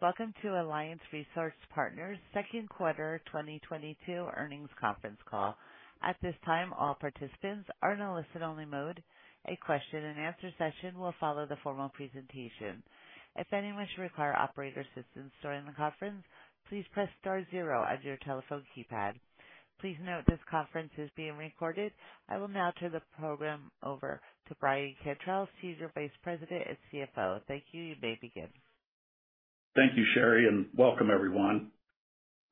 Welcome to Alliance Resource Partners Second Quarter 2022 Earnings Conference Call. At this time, all participants are in a listen only mode. A question and answer session will follow the formal presentation. If anyone should require operator assistance during the conference, please press star zero on your telephone keypad. Please note this conference is being recorded. I will now turn the program over to Brian Cantrell, Senior Vice President and CFO. Thank you. You may begin. Thank you, Sherry, and welcome everyone.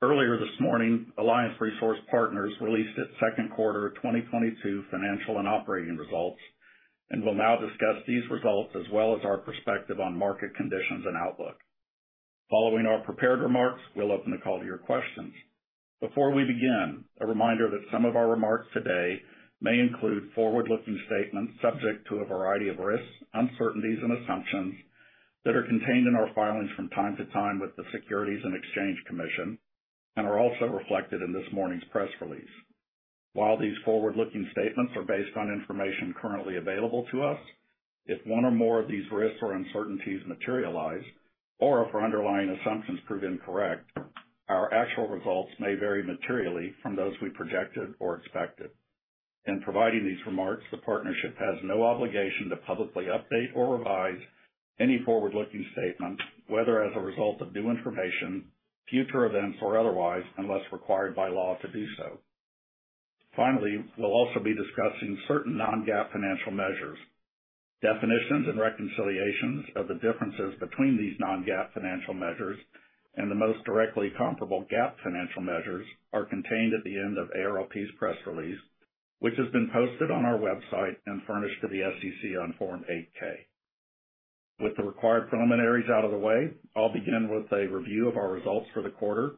Earlier this morning, Alliance Resource Partners released its second quarter 2022 financial and operating results, and we'll now discuss these results as well as our perspective on market conditions and outlook. Following our prepared remarks, we'll open the call to your questions. Before we begin, a reminder that some of our remarks today may include forward-looking statements subject to a variety of risks, uncertainties and assumptions that are contained in our filings from time to time with the Securities and Exchange Commission and are also reflected in this morning's press release. While these forward-looking statements are based on information currently available to us, if one or more of these risks or uncertainties materialize, or if our underlying assumptions prove incorrect, our actual results may vary materially from those we projected or expected. In providing these remarks, the partnership has no obligation to publicly update or revise any forward-looking statements, whether as a result of new information, future events or otherwise, unless required by law to do so. Finally, we'll also be discussing certain non-GAAP financial measures. Definitions and reconciliations of the differences between these non-GAAP financial measures and the most directly comparable GAAP financial measures are contained at the end of ARLP's press release, which has been posted on our website and furnished to the SEC on Form 8-K. With the required preliminaries out of the way, I'll begin with a review of our results for the quarter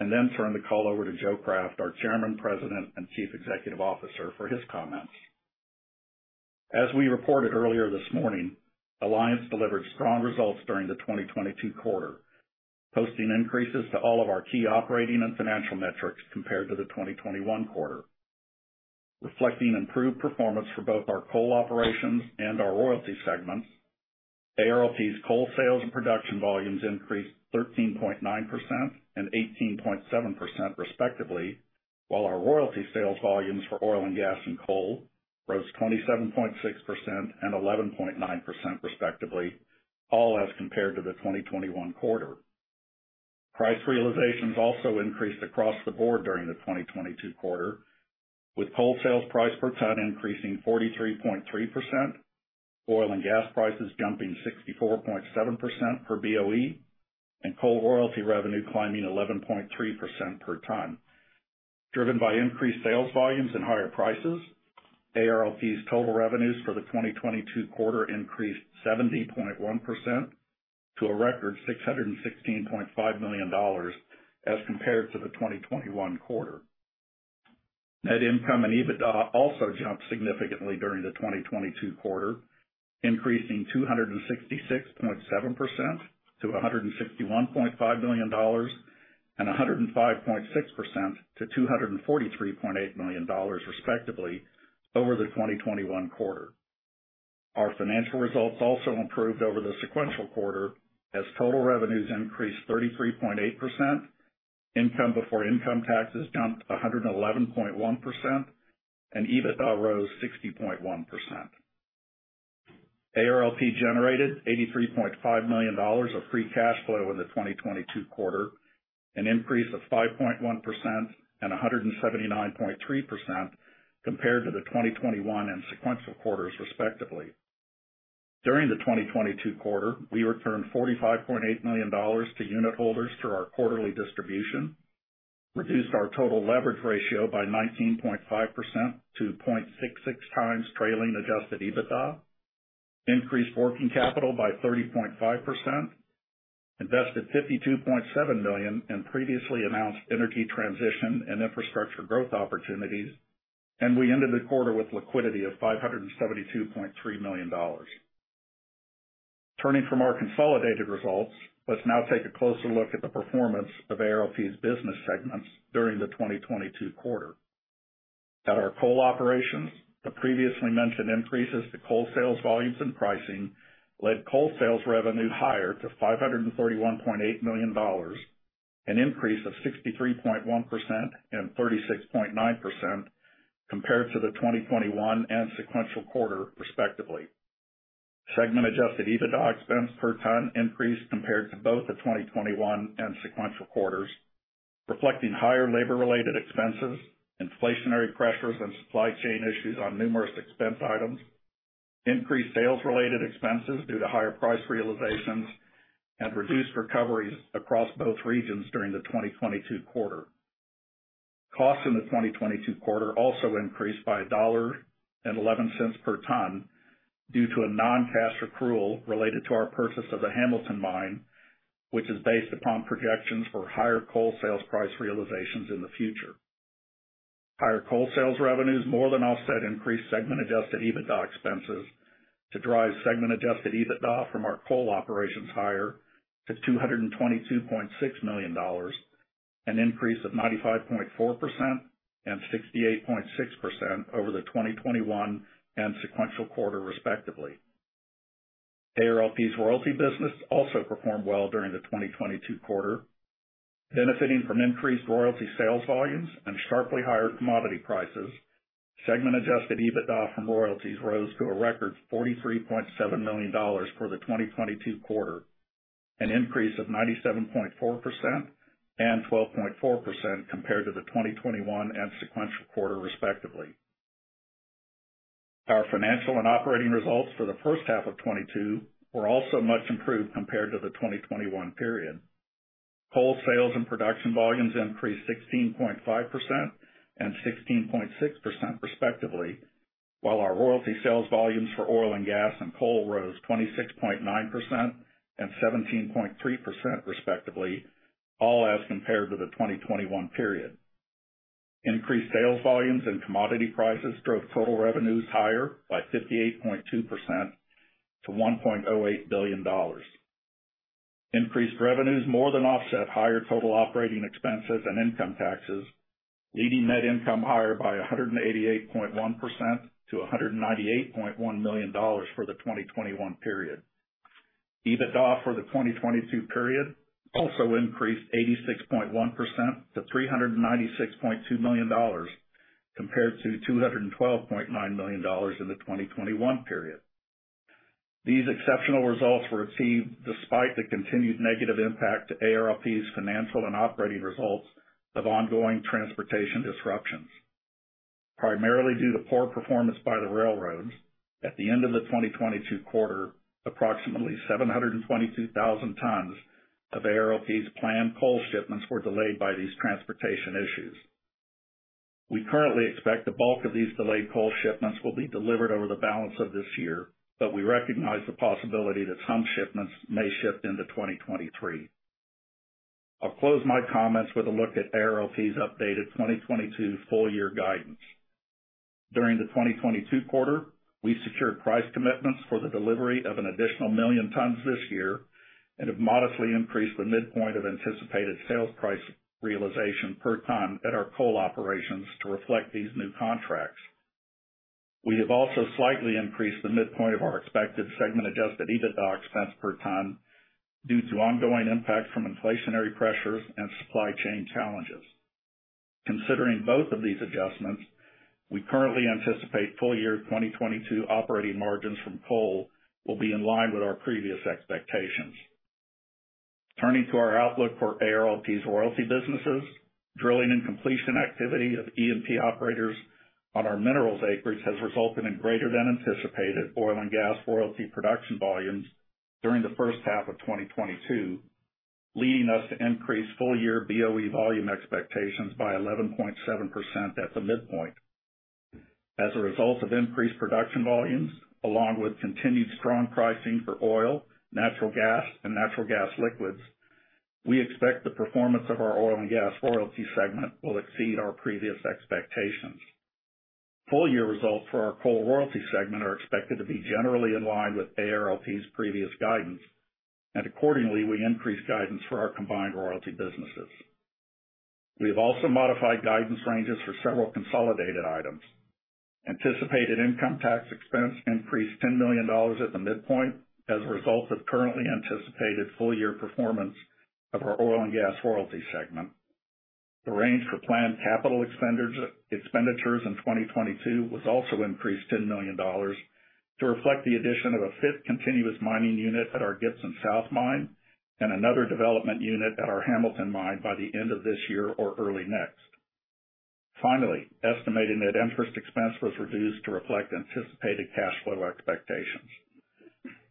and then turn the call over to Joe Craft, our Chairman, President and Chief Executive Officer for his comments. As we reported earlier this morning, Alliance delivered strong results during the 2022 quarter, posting increases to all of our key operating and financial metrics compared to the 2021 quarter. Reflecting improved performance for both our coal operations and our royalty segments, ARLP's coal sales and production volumes increased 13.9% and 18.7% respectively, while our royalty sales volumes for oil and gas and coal rose 27.6% and 11.9% respectively, all as compared to the 2021 quarter. Price realizations also increased across the board during the 2022 quarter, with coal sales price per ton increasing 43.3%, oil and gas prices jumping 64.7% per BOE, and coal royalty revenue climbing 11.3% per ton. Driven by increased sales volumes and higher prices, ARLP's total revenues for the 2022 quarter increased 70.1% to a record $616.5 million as compared to the 2021 quarter. Net income and EBITDA also jumped significantly during the 2022 quarter, increasing 266.7% to $161.5 million and 105.6% to $243.8 million respectively over the 2021 quarter. Our financial results also improved over the sequential quarter as total revenues increased 33.8%, income before income taxes jumped 111.1%, and EBITDA rose 60.1%. ARLP generated $83.5 million of free cash flow in the 2022 quarter, an increase of 5.1% and 179.3% compared to the 2021 and sequential quarters respectively. During the 2022 quarter, we returned $45.8 million to unit holders through our quarterly distribution, reduced our total leverage ratio by 19.5% to 0.66x trailing Adjusted EBITDA, increased working capital by 30.5%, invested $52.7 million in previously announced energy transition and infrastructure growth opportunities, and we ended the quarter with liquidity of $572.3 million. Turning from our consolidated results, let's now take a closer look at the performance of ARLP's business segments during the 2022 quarter. At our coal operations, the previously mentioned increases to coal sales volumes and pricing led coal sales revenue higher to $531.8 million, an increase of 63.1% and 36.9% compared to the 2021 and sequential quarter respectively. Segment Adjusted EBITDA expense per ton increased compared to both the 2021 and sequential quarters, reflecting higher labor-related expenses, inflationary pressures and supply chain issues on numerous expense items, increased sales-related expenses due to higher price realizations and reduced recoveries across both regions during the 2022 quarter. Costs in the 2022 quarter also increased by $1.11 per ton due to a non-cash accrual related to our purchase of the Hamilton Mine, which is based upon projections for higher coal sales price realizations in the future. Higher coal sales revenues more than offset increased segment Adjusted EBITDA expenses to drive segment Adjusted EBITDA from our coal operations higher to $222.6 million. An increase of 95.4% and 68.6% over the 2021 and sequential quarter, respectively. ARLP's royalty business also performed well during the 2022 quarter, benefiting from increased royalty sales volumes and sharply higher commodity prices. Segment Adjusted EBITDA from royalties rose to a record $43.7 million for the 2022 quarter, an increase of 97.4% and 12.4% compared to the 2021 and sequential quarter, respectively. Our financial and operating results for the first half of 2022 were also much improved compared to the 2021 period. Coal sales and production volumes increased 16.5% and 16.6% respectively, while our royalty sales volumes for oil and gas and coal rose 26.9% and 17.3% respectively, all as compared to the 2021 period. Increased sales volumes and commodity prices drove total revenues higher by 58.2% to $1.08 billion. Increased revenues more than offset higher total operating expenses and income taxes, leading net income higher by 188.1% to $198.1 million for the 2021 period. EBITDA for the 2022 period also increased 86.1% to $396.2 million, compared to $212.9 million in the 2021 period. These exceptional results were achieved despite the continued negative impact to ARLP's financial and operating results of ongoing transportation disruptions. Primarily due to poor performance by the railroads, at the end of the 2022 quarter, approximately 722,000 tons of ARLP's planned coal shipments were delayed by these transportation issues. We currently expect the bulk of these delayed coal shipments will be delivered over the balance of this year, but we recognize the possibility that some shipments may shift into 2023. I'll close my comments with a look at ARLP's updated 2022 full year guidance. During the 2022 quarter, we secured price commitments for the delivery of an additional 1 million tons this year, and have modestly increased the midpoint of anticipated sales price realization per ton at our coal operations to reflect these new contracts. We have also slightly increased the midpoint of our expected segment Adjusted EBITDA expense per ton due to ongoing impacts from inflationary pressures and supply chain challenges. Considering both of these adjustments, we currently anticipate full year 2022 operating margins from coal will be in line with our previous expectations. Turning to our outlook for ARLP's royalty businesses, drilling and completion activity of E&P operators on our minerals acreage has resulted in greater than anticipated oil and gas royalty production volumes during the first half of 2022, leading us to increase full year BOE volume expectations by 11.7% at the midpoint. As a result of increased production volumes, along with continued strong pricing for oil, natural gas, and natural gas liquids, we expect the performance of our oil and gas royalty segment will exceed our previous expectations. Full year results for our coal royalty segment are expected to be generally in line with ARLP's previous guidance, and accordingly, we increased guidance for our combined royalty businesses. We have also modified guidance ranges for several consolidated items. Anticipated income tax expense increased $10 million at the midpoint as a result of currently anticipated full year performance of our oil and gas royalty segment. The range for planned capital expenditures in 2022 was also increased $10 million to reflect the addition of a fifth continuous mining unit at our Gibson South mine and another development unit at our Hamilton mine by the end of this year or early next. Finally, estimated net interest expense was reduced to reflect anticipated cash flow expectations.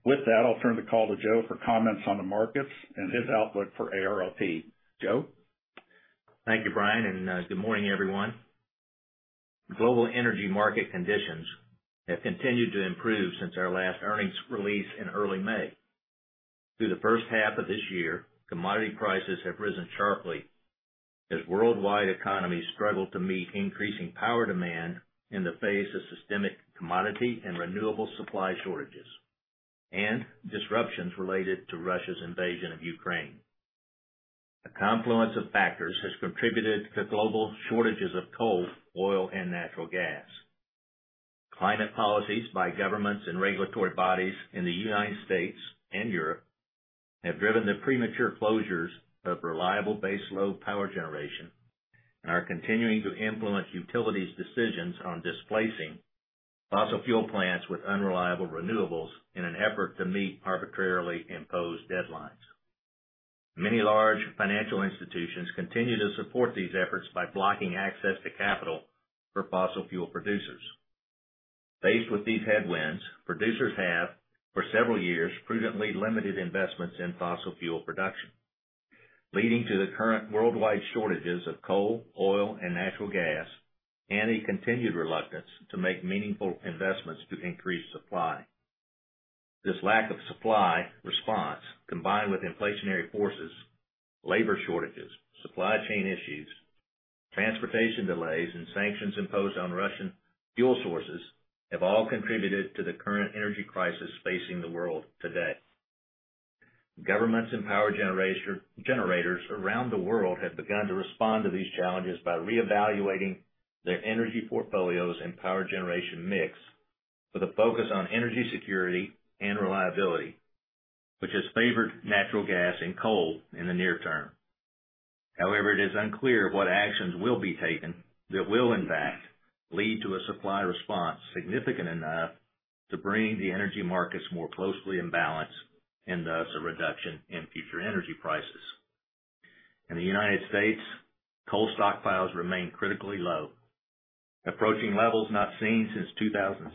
With that, I'll turn the call to Joe for comments on the markets and his outlook for ARLP. Joe? Thank you, Brian, and good morning, everyone. Global energy market conditions have continued to improve since our last earnings release in early May. Through the first half of this year, commodity prices have risen sharply as worldwide economies struggle to meet increasing power demand in the face of systemic commodity and renewable supply shortages and disruptions related to Russia's invasion of Ukraine. A confluence of factors has contributed to global shortages of coal, oil, and natural gas. Climate policies by governments and regulatory bodies in the United States and Europe have driven the premature closures of reliable baseload power generation and are continuing to influence utilities' decisions on displacing fossil fuel plants with unreliable renewables in an effort to meet arbitrarily imposed deadlines. Many large financial institutions continue to support these efforts by blocking access to capital for fossil fuel producers. Faced with these headwinds, producers have, for several years, prudently limited investments in fossil fuel production, leading to the current worldwide shortages of coal, oil, and natural gas, and a continued reluctance to make meaningful investments to increase supply. This lack of supply response, combined with inflationary forces, labor shortages, supply chain issues, transportation delays and sanctions imposed on Russian fuel sources have all contributed to the current energy crisis facing the world today. Governments and power generators around the world have begun to respond to these challenges by reevaluating their energy portfolios and power generation mix with a focus on energy security and reliability, which has favored natural gas and coal in the near term. However, it is unclear what actions will be taken that will, in fact, lead to a supply response significant enough to bring the energy markets more closely in balance, and thus a reduction in future energy prices. In the United States, coal stockpiles remain critically low, approaching levels not seen since 2006.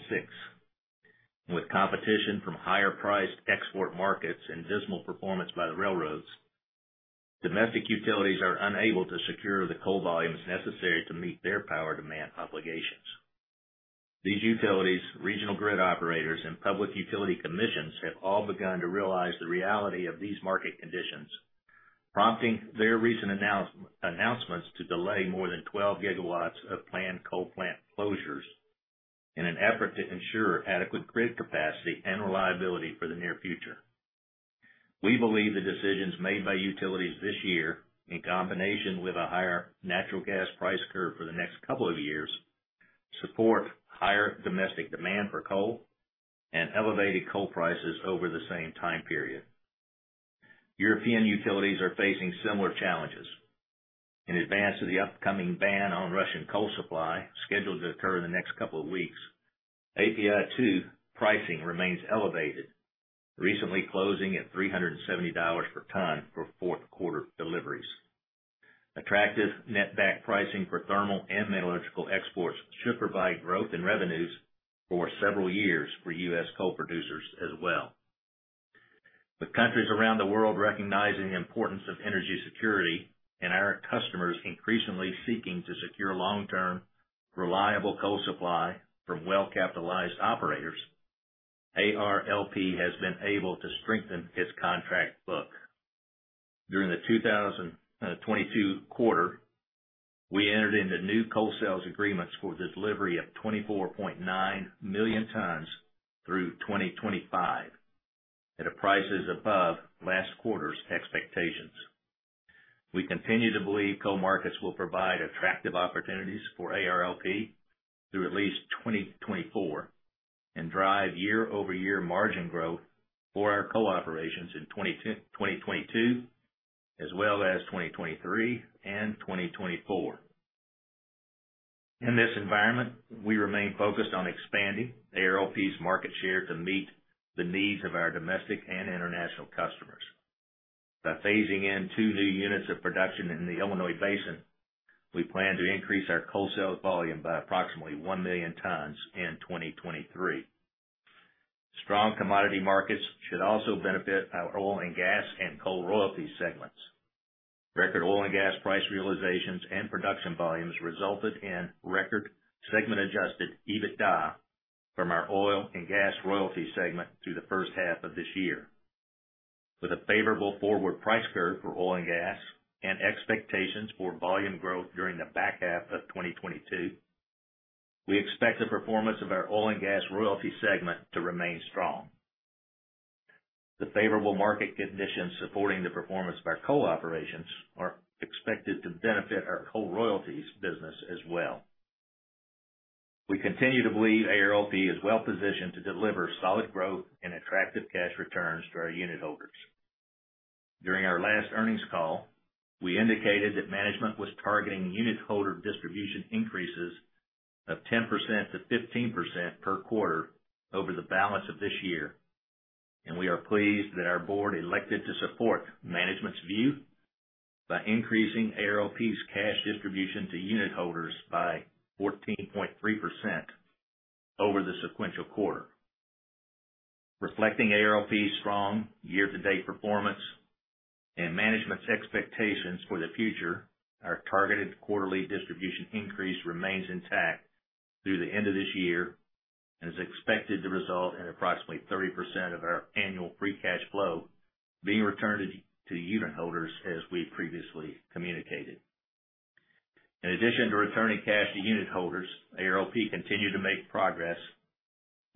With competition from higher-priced export markets and dismal performance by the railroads, domestic utilities are unable to secure the coal volumes necessary to meet their power demand obligations. These utilities, regional grid operators, and public utility commissions have all begun to realize the reality of these market conditions, prompting their recent announcements to delay more than 12 GW of planned coal plant closures in an effort to ensure adequate grid capacity and reliability for the near future. We believe the decisions made by utilities this year, in combination with a higher natural gas price curve for the next couple of years, support higher domestic demand for coal and elevated coal prices over the same time period. European utilities are facing similar challenges. In advance of the upcoming ban on Russian coal supply, scheduled to occur in the next couple of weeks, API2 pricing remains elevated, recently closing at $370 per ton for fourth quarter deliveries. Attractive net-back pricing for thermal and metallurgical exports should provide growth in revenues for several years for U.S. coal producers as well. With countries around the world recognizing the importance of energy security and our customers increasingly seeking to secure long-term, reliable coal supply from well-capitalized operators, ARLP has been able to strengthen its contract book. During the 2022 quarter, we entered into new coal sales agreements for the delivery of 24.9 million tons through 2025 at prices above last quarter's expectations. We continue to believe coal markets will provide attractive opportunities for ARLP through at least 2024, and drive year-over-year margin growth for our coal operations in 2022, as well as 2023 and 2024. In this environment, we remain focused on expanding ARLP's market share to meet the needs of our domestic and international customers. By phasing in two new units of production in the Illinois Basin, we plan to increase our coal sales volume by approximately 1 million tons in 2023. Strong commodity markets should also benefit our oil and gas and coal royalty segments. Record oil and gas price realizations and production volumes resulted in record segment-Adjusted EBITDA from our oil and gas royalty segment through the first half of this year. With a favorable forward price curve for oil and gas and expectations for volume growth during the back half of 2022, we expect the performance of our oil and gas royalty segment to remain strong. The favorable market conditions supporting the performance of our coal operations are expected to benefit our coal royalties business as well. We continue to believe ARLP is well-positioned to deliver solid growth and attractive cash returns to our unit holders. During our last earnings call, we indicated that management was targeting unit holder distribution increases of 10%-15% per quarter over the balance of this year, and we are pleased that our board elected to support management's view by increasing ARLP's cash distribution to unit holders by 14.3% over the sequential quarter. Reflecting ARLP's strong year-to-date performance and management's expectations for the future, our targeted quarterly distribution increase remains intact through the end of this year, and is expected to result in approximately 30% of our annual free cash flow being returned to unit holders as we previously communicated. In addition to returning cash to unit holders, ARLP continued to make progress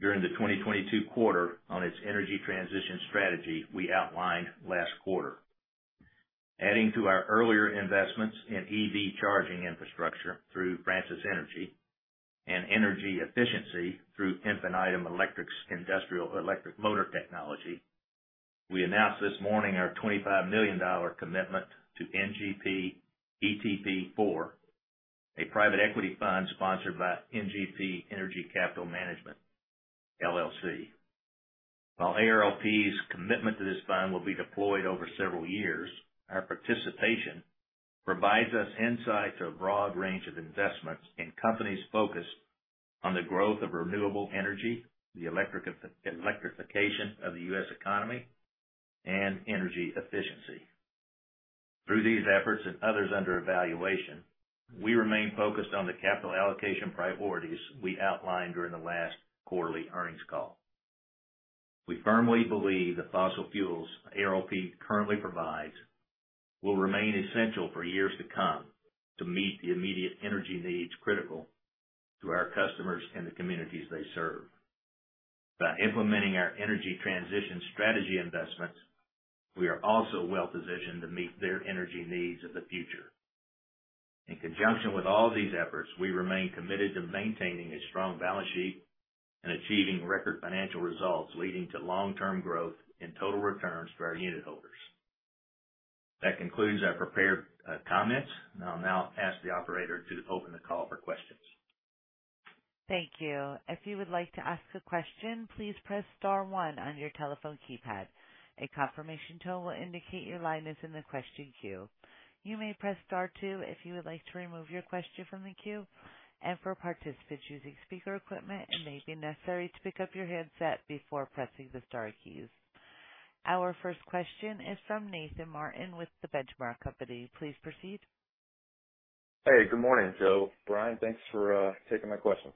during the 2022 quarter on its energy transition strategy we outlined last quarter. Adding to our earlier investments in EV charging infrastructure through Francis Energy and energy efficiency through Infinitum Electric's industrial electric motor technology, we announced this morning our $25 million commitment to NGP ETP IV, a private equity fund sponsored by NGP Energy Capital Management, LLC. While ARLP's commitment to this fund will be deployed over several years, our participation provides us insight to a broad range of investments in companies focused on the growth of renewable energy, the electrification of the U.S. economy, and energy efficiency. Through these efforts and others under evaluation, we remain focused on the capital allocation priorities we outlined during the last quarterly earnings call. We firmly believe the fossil fuels ARLP currently provides will remain essential for years to come to meet the immediate energy needs critical to our customers and the communities they serve. By implementing our energy transition strategy investments, we are also well positioned to meet their energy needs of the future. In conjunction with all these efforts, we remain committed to maintaining a strong balance sheet and achieving record financial results leading to long-term growth in total returns for our unit holders. That concludes our prepared comments. I'll now ask the operator to open the call for questions. Thank you. If you would like to ask a question, please press star one on your telephone keypad. A confirmation tone will indicate your line is in the question queue. You may press star two if you would like to remove your question from the queue. For participants using speaker equipment, it may be necessary to pick up your handset before pressing the star keys. Our first question is from Nathan Martin with The Benchmark Company. Please proceed. Hey, good morning, Joe. Brian, thanks for taking my questions.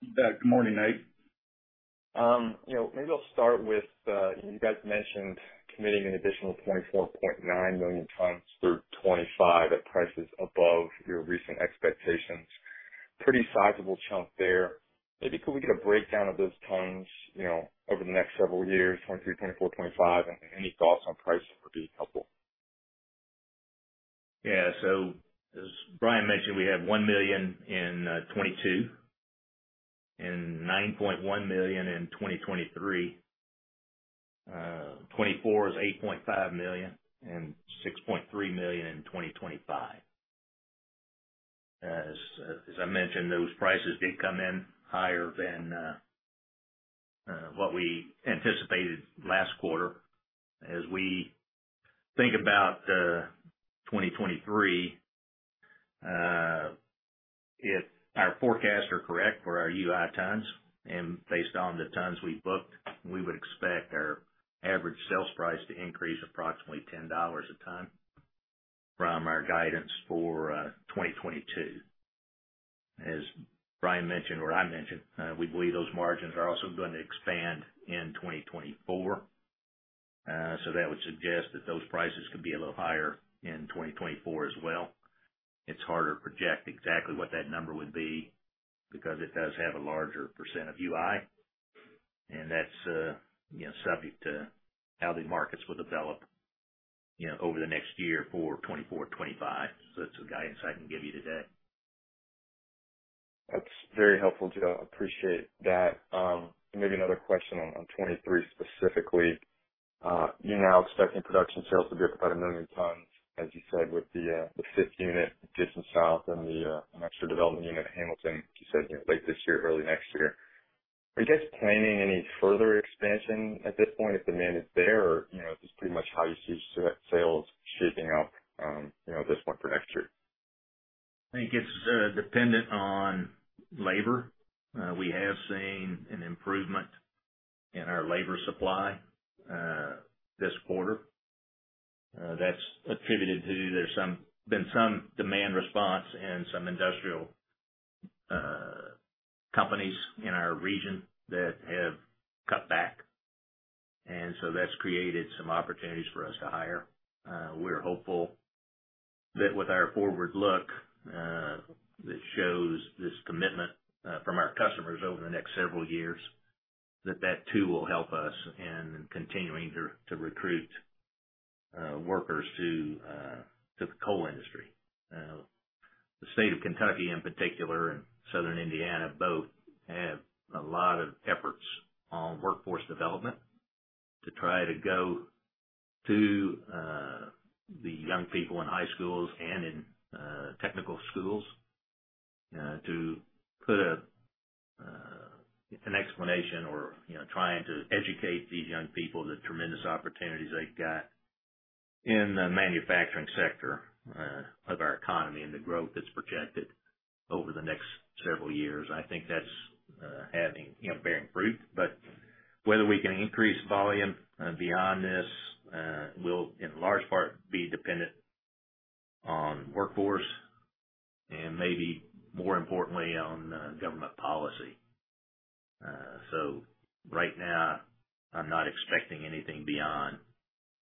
Yeah. Good morning, Nate. You know, maybe I'll start with, you guys mentioned committing an additional 24.9 million tons through 2025 at prices above your recent expectations. Pretty sizable chunk there. Maybe could we get a breakdown of those tons, you know, over the next several years, 2023, 2024, 2025, and any thoughts on price would be helpful. Yeah. As Brian mentioned, we have $1 million in 2022 and $9.1 million in 2023. 2024 is $8.5 million and $6.3 million in 2025. As I mentioned, those prices did come in higher than what we anticipated last quarter. As we think about 2023, if our forecasts are correct for our UI tons, and based on the tons we've booked, we would expect our average sales price to increase approximately $10 a ton from our guidance for 2022. As Brian mentioned or I mentioned, we believe those margins are also going to expand in 2024. That would suggest that those prices could be a little higher in 2024 as well. It's harder to project exactly what that number would be because it does have a larger percent of UI, and that's, you know, subject to how the markets will develop, you know, over the next year for 2024, 2025. That's the guidance I can give you today. That's very helpful, Joe. Appreciate that. Maybe another question on 2023 specifically. You're now expecting production sales to be up about 1 million tons, as you said, with the fifth unit at Gibson South and an extra development unit at Hamilton, you said, you know, late this year, early next year. Are you guys planning any further expansion at this point if demand is there? You know, just pretty much how you see sales shaping up, you know, at this point for next year. I think it's dependent on labor. We have seen an improvement in our labor supply this quarter. That's attributed to been some demand response and some industrial companies in our region that have cut back. That's created some opportunities for us to hire. We're hopeful that with our forward look that shows this commitment from our customers over the next several years, that that too will help us in continuing to recruit workers to the coal industry. The State of Kentucky in particular and Southern Indiana both have a lot of efforts on workforce development to try to go to the young people in high schools and in technical schools to put an explanation or, you know, trying to educate these young people the tremendous opportunities they've got in the manufacturing sector of our economy and the growth that's projected over the next several years. I think that's having, you know, bearing fruit. Whether we can increase volume beyond this will in large part be dependent on workforce and maybe more importantly, on government policy. Right now, I'm not expecting anything beyond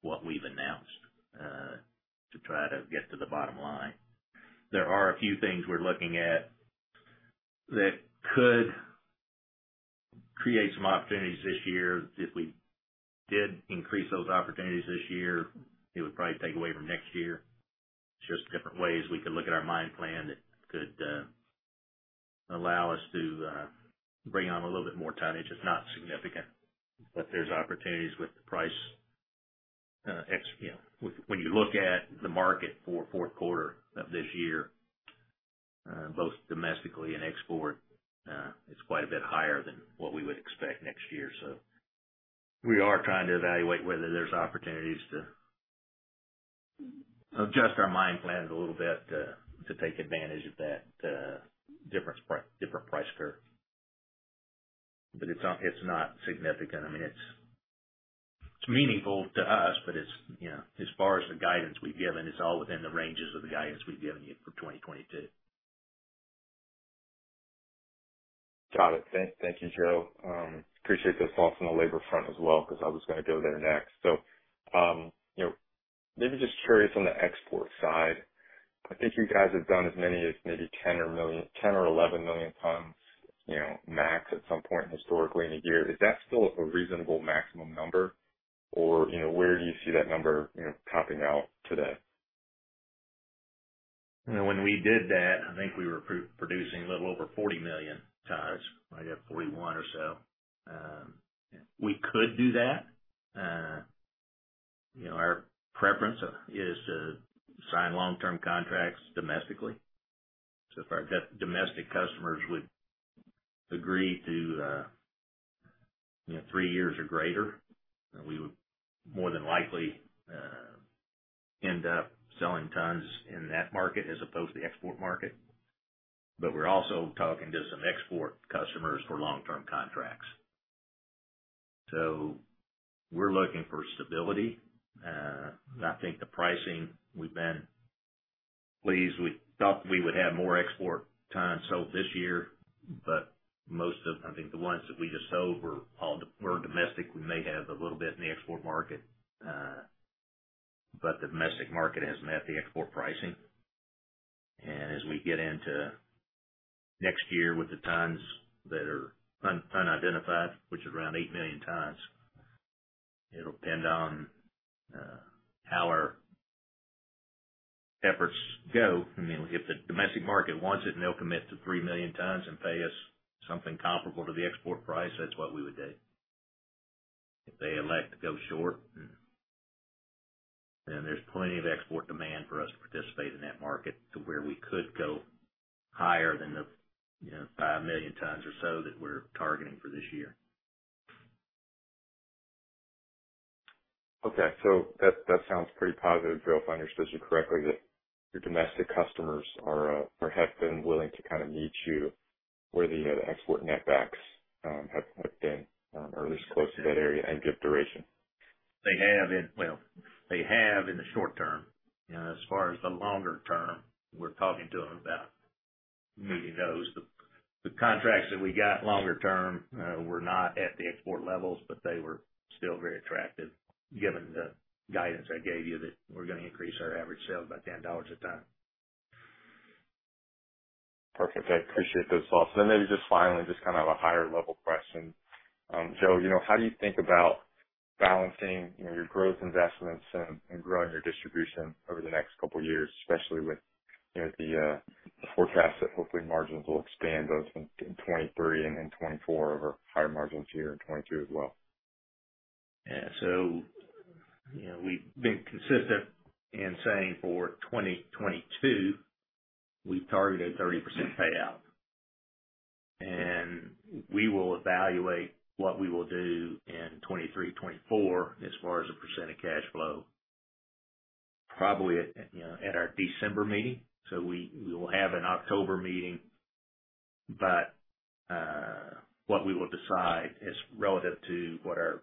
what we've announced to try to get to the bottom line. There are a few things we're looking at that could create some opportunities this year. If we did increase those opportunities this year, it would probably take away from next year. Just different ways we could look at our mine plan that could allow us to bring on a little bit more tonnage. It's not significant, but there's opportunities with the price, you know, when you look at the market for fourth quarter of this year, both domestically and export, it's quite a bit higher than what we would expect next year. We are trying to evaluate whether there's opportunities to adjust our mine plans a little bit to take advantage of that, different price curve. It's not significant. I mean, it's meaningful to us, but you know, as far as the guidance we've given, it's all within the ranges of the guidance we've given you for 2022. Got it. Thank you, Joe. Appreciate those thoughts on the labor front as well, 'cause I was gonna go there next. You know, maybe just curious on the export side. I think you guys have done as many as maybe 10 million or 11 million tons, you know, max at some point historically in a year. Is that still a reasonable maximum number? You know, where do you see that number, you know, topping out today? You know, when we did that, I think we were producing a little over 40 million tons. Might have 41 million or so. We could do that. You know, our preference is to sign long-term contracts domestically. If our domestic customers would agree to, you know, three years or greater, we would more than likely end up selling tons in that market as opposed to the export market. But we're also talking to some export customers for long-term contracts. We're looking for stability. I think the pricing, we've been pleased. We thought we would have more export tons sold this year, but most of I think the ones that we just sold were all domestic. We may have a little bit in the export market, but the domestic market has met the export pricing. As we get into next year with the tons that are unidentified, which is around 8 million tons, it'll depend on how our efforts go. I mean, if the domestic market wants it and they'll commit to 3 million tons and pay us something comparable to the export price, that's what we would do. If they elect to go short, then there's plenty of export demand for us to participate in that market to where we could go higher than the, you know, 5 million tons or so that we're targeting for this year. Okay. That sounds pretty positive, Joe, if I understand you correctly, that your domestic customers are or have been willing to kind of meet you where the export net backs have been or at least close to that area and give duration. Well, they have it in the short term. You know, as far as the longer term, we're talking to them about meeting those. The contracts that we got longer term were not at the export levels, but they were still very attractive given the guidance I gave you that we're gonna increase our average sale by $10 a ton. Perfect. I appreciate those thoughts. Then maybe just finally, just kind of a higher level question. Joe, you know, how do you think about balancing, you know, your growth investments and growing your distribution over the next couple years, especially with the forecast that hopefully margins will expand both in 2023 and in 2024 over higher margins here in 2022 as well? Yeah. You know, we've been consistent in saying for 2022, we've targeted 30% payout. We will evaluate what we will do in 2023, 2024 as far as a percent of cash flow probably at, you know, at our December meeting. We will have an October meeting. What we will decide is relative to what our future cash or our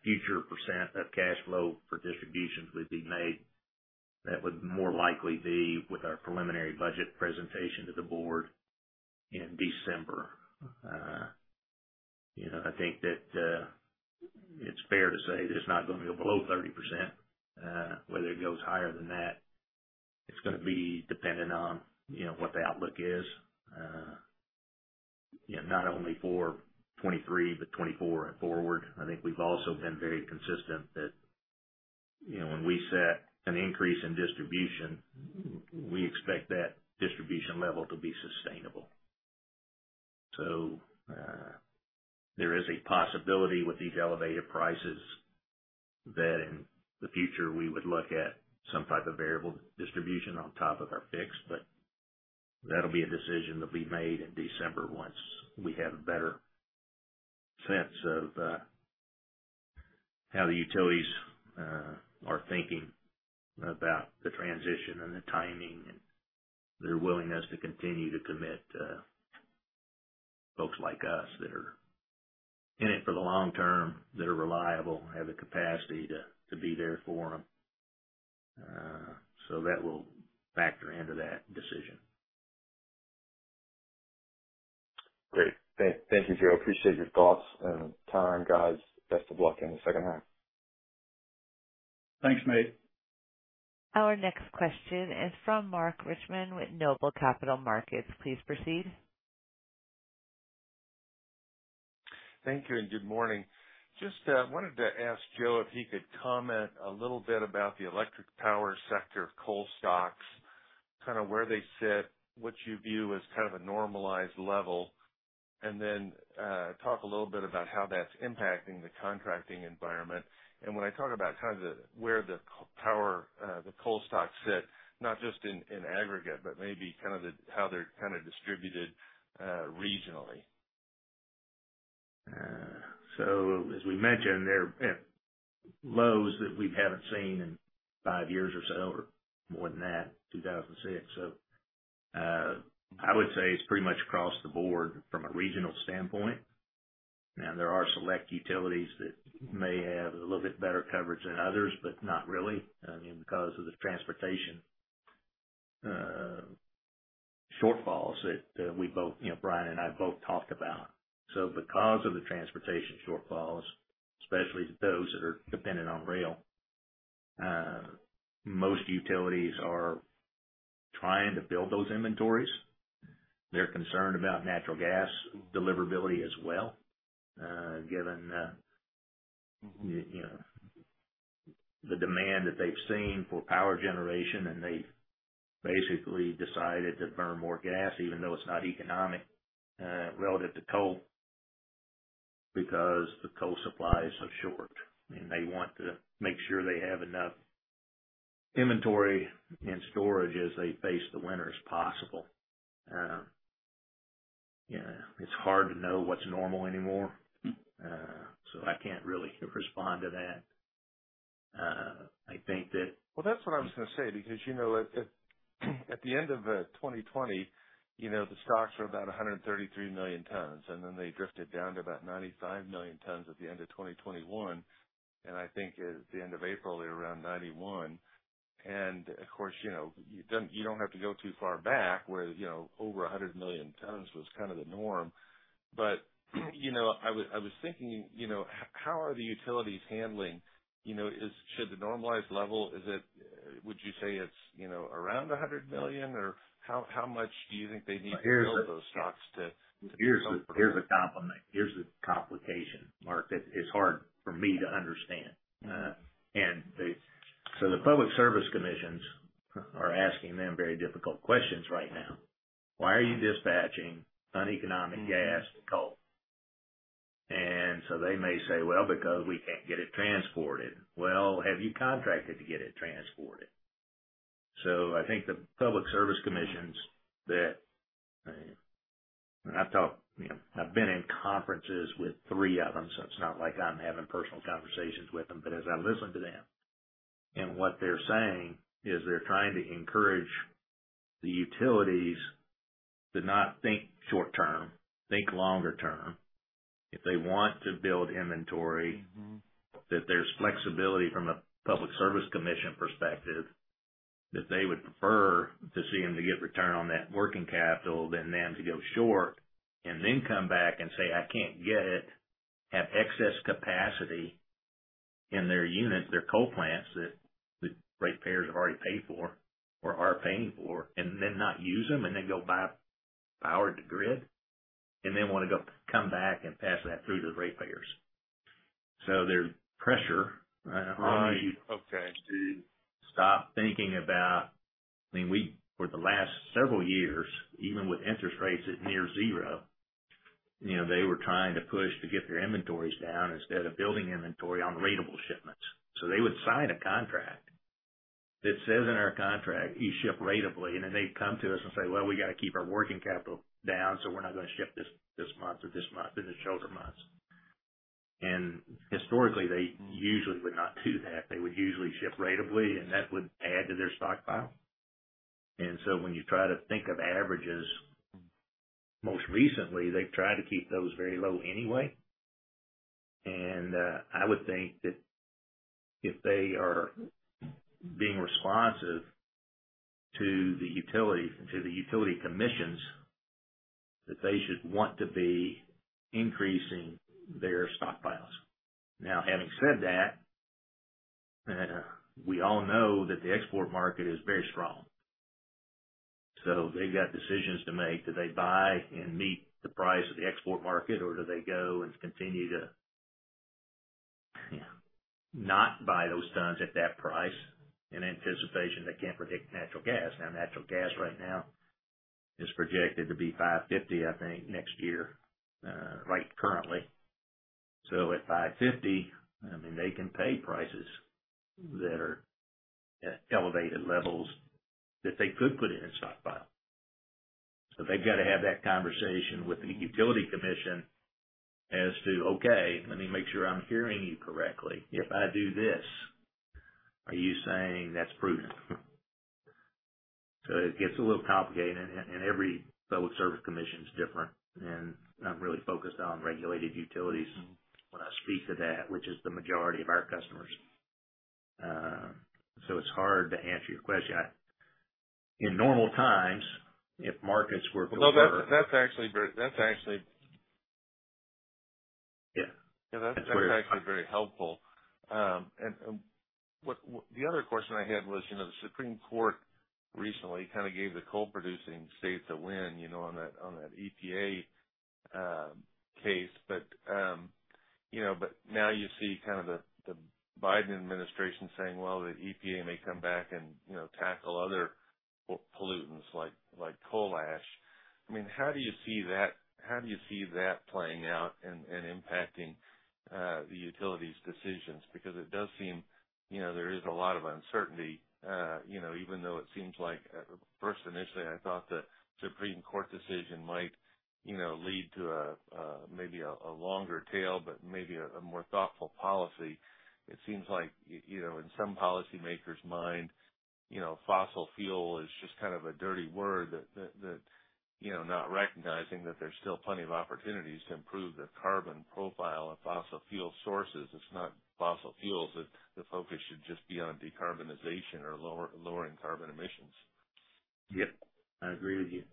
future percent of cash flow for distributions would be made. That would more likely be with our preliminary budget presentation to the board in December. You know, I think that it's fair to say that it's not gonna go below 30%. Whether it goes higher than that, it's gonna be dependent on, you know, what the outlook is. You know, not only for 2023, but 2024 and forward. I think we've also been very consistent that, you know, when we set an increase in distribution, we expect that distribution level to be sustainable. There is a possibility with these elevated prices that in the future we would look at some type of variable distribution on top of our fixed, but that'll be a decision to be made in December once we have a better sense of how the utilities are thinking about the transition and the timing and their willingness to continue to commit folks like us that are in it for the long term, that are reliable, have the capacity to be there for them. That will factor into that decision. Great. Thank you, Joe. Appreciate your thoughts and time, guys. Best of luck in the second half. Thanks, mate. Our next question is from Mark Reichman with Noble Capital Markets. Please proceed. Thank you, and good morning. Just wanted to ask Joe if he could comment a little bit about the electric power sector of coal stocks, kind of where they sit, what you view as kind of a normalized level. Talk a little bit about how that's impacting the contracting environment. When I talk about kind of where the coal power, the coal stocks sit, not just in aggregate, but maybe kind of how they're kind of distributed regionally. As we mentioned, they're at lows that we haven't seen in five years or so, or more than that, 2006. I would say it's pretty much across the board from a regional standpoint. There are select utilities that may have a little bit better coverage than others, but not really, I mean, because of the transportation shortfalls that we both, you know, Brian and I both talked about. Because of the transportation shortfalls, especially those that are dependent on rail, most utilities are trying to build those inventories. They're concerned about natural gas deliverability as well, given you know, the demand that they've seen for power generation, and they've basically decided to burn more gas even though it's not economic, relative to coal, because the coal supplies are short. I mean, they want to make sure they have enough inventory and storage as they face the winter as possible. You know, it's hard to know what's normal anymore. Mm-hmm. I can't really respond to that. I think that Well, that's what I was gonna say because, you know, at the end of 2020, you know, the stocks were about 133 million tons, and then they drifted down to about 95 million tons at the end of 2021. I think at the end of April, they were around 91. Of course, you know, you don't have to go too far back where, you know, over 100 million tons was kind of the norm. I was thinking, you know, how are the utilities handling? You know, should the normalized level, is it? Would you say it's, you know, around 100 million? Or how much do you think they need to build those stocks to? Here's the complication, Mark. That's hard for me to understand. The public service commissions are asking them very difficult questions right now. Why are you dispatching uneconomic gas and coal? They may say, "Well, because we can't get it transported." Well, have you contracted to get it transported? I think the public service commissions. You know, I've been in conferences with three of them, so it's not like I'm having personal conversations with them. As I listen to them, what they're saying is they're trying to encourage the utilities to not think short term, think longer term. If they want to build inventory. Mm-hmm that there's flexibility from a Public Service Commission perspective, that they would prefer to see them to get return on that working capital than them to go short and then come back and say, "I can't get it." Have excess capacity in their units, their coal plants, that the ratepayers have already paid for or are paying for, and then not use them and then go buy power from the grid, and then wanna come back and pass that through to the ratepayers. There's pressure on you. Right. Okay I mean, we, for the last several years, even with interest rates at near zero, you know, they were trying to push to get their inventories down instead of building inventory on ratable shipments. They would sign a contract that says in our contract, "You ship ratably." Then they'd come to us and say, "Well, we gotta keep our working capital down, so we're not gonna ship this month or this month," in the shoulder months. Historically, they usually would not do that. They would usually ship ratably, and that would add to their stockpile. When you try to think of averages, most recently, they've tried to keep those very low anyway. I would think that if they are being responsive to the utilities, to the utility commissions, that they should want to be increasing their stockpiles. Now, having said that, we all know that the export market is very strong. They've got decisions to make. Do they buy and meet the price of the export market, or do they go and continue to, you know, not buy those tons at that price in anticipation they can't predict natural gas? Natural gas right now is projected to be $5.50, I think, next year, like currently. At $5.50, I mean, they can pay prices that are at elevated levels that they could put in a stockpile. They've got to have that conversation with the utility commission as to, "Okay, let me make sure I'm hearing you correctly. If I do this, are you saying that's prudent?" It gets a little complicated, and every public service commission is different. I'm really focused on regulated utilities. Mm-hmm When I speak to that, which is the majority of our customers. It's hard to answer your question. In normal times, if markets were- No, that's actually very. Yeah. Yeah, that's actually very helpful. The other question I had was, you know, the Supreme Court recently kind of gave the coal-producing states a win, you know, on that EPA case. You know, but now you see kind of the Biden administration saying, well, the EPA may come back and, you know, tackle other pollutants like coal ash. I mean, how do you see that playing out and impacting the utilities' decisions? Because it does seem, you know, there is a lot of uncertainty, you know, even though it seems like at first initially I thought the Supreme Court decision might, you know, lead to maybe a longer tailwind. Maybe a more thoughtful policy. It seems like, you know, in some policymaker's mind, you know, fossil fuel is just kind of a dirty word that, you know, not recognizing that there's still plenty of opportunities to improve the carbon profile of fossil fuel sources. It's not fossil fuels that the focus should just be on decarbonization or lowering carbon emissions. Yep, I agree with you.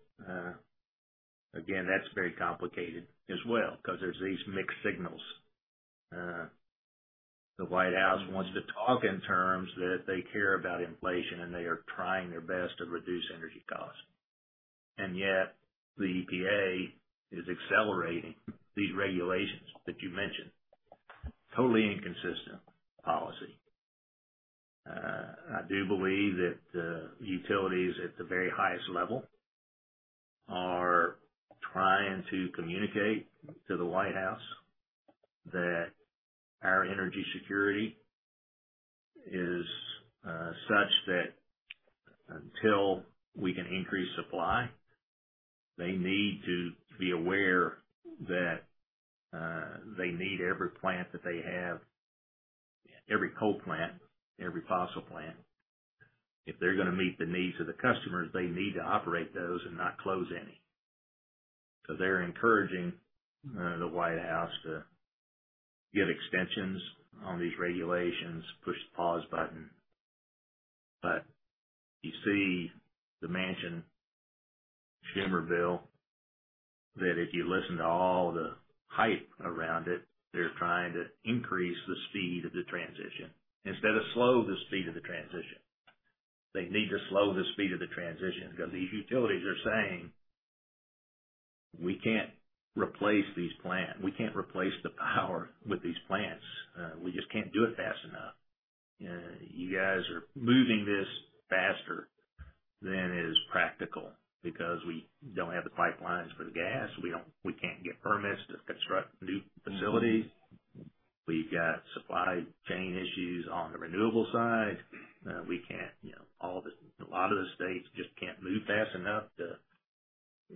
Again, that's very complicated as well, 'cause there's these mixed signals. The White House wants to talk in terms that they care about inflation, and they are trying their best to reduce energy costs. Yet, the EPA is accelerating these regulations that you mentioned. Totally inconsistent policy. I do believe that utilities at the very highest level are trying to communicate to the White House that our energy security is such that until we can increase supply, they need to be aware that they need every plant that they have, every coal plant, every fossil plant. If they're gonna meet the needs of the customers, they need to operate those and not close any. They're encouraging the White House to get extensions on these regulations, push the pause button. You see the Manchin-Schumer bill that if you listen to all the hype around it, they're trying to increase the speed of the transition instead of slow the speed of the transition. They need to slow the speed of the transition because these utilities are saying, "We can't replace these plant. We can't replace the power with these plants. We just can't do it fast enough. You guys are moving this faster than is practical because we don't have the pipelines for the gas. We can't get permits to construct new facilities. We've got supply chain issues on the renewable side. We can't, you know, all the. A lot of the states just can't move fast enough to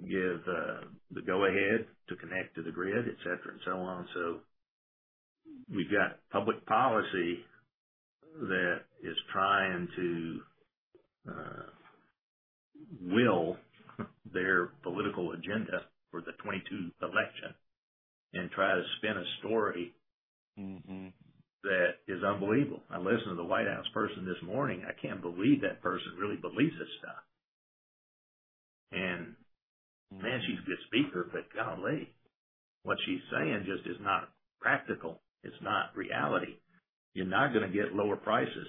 give the go ahead to connect to the grid, et cetera, and so on." We've got public policy that is trying to will their political agenda for the 2022 election and try to spin a story. Mm-hmm That is unbelievable. I listened to the White House person this morning. I can't believe that person really believes this stuff. Man, she's a good speaker, but golly, what she's saying just is not practical. It's not reality. You're not gonna get lower prices.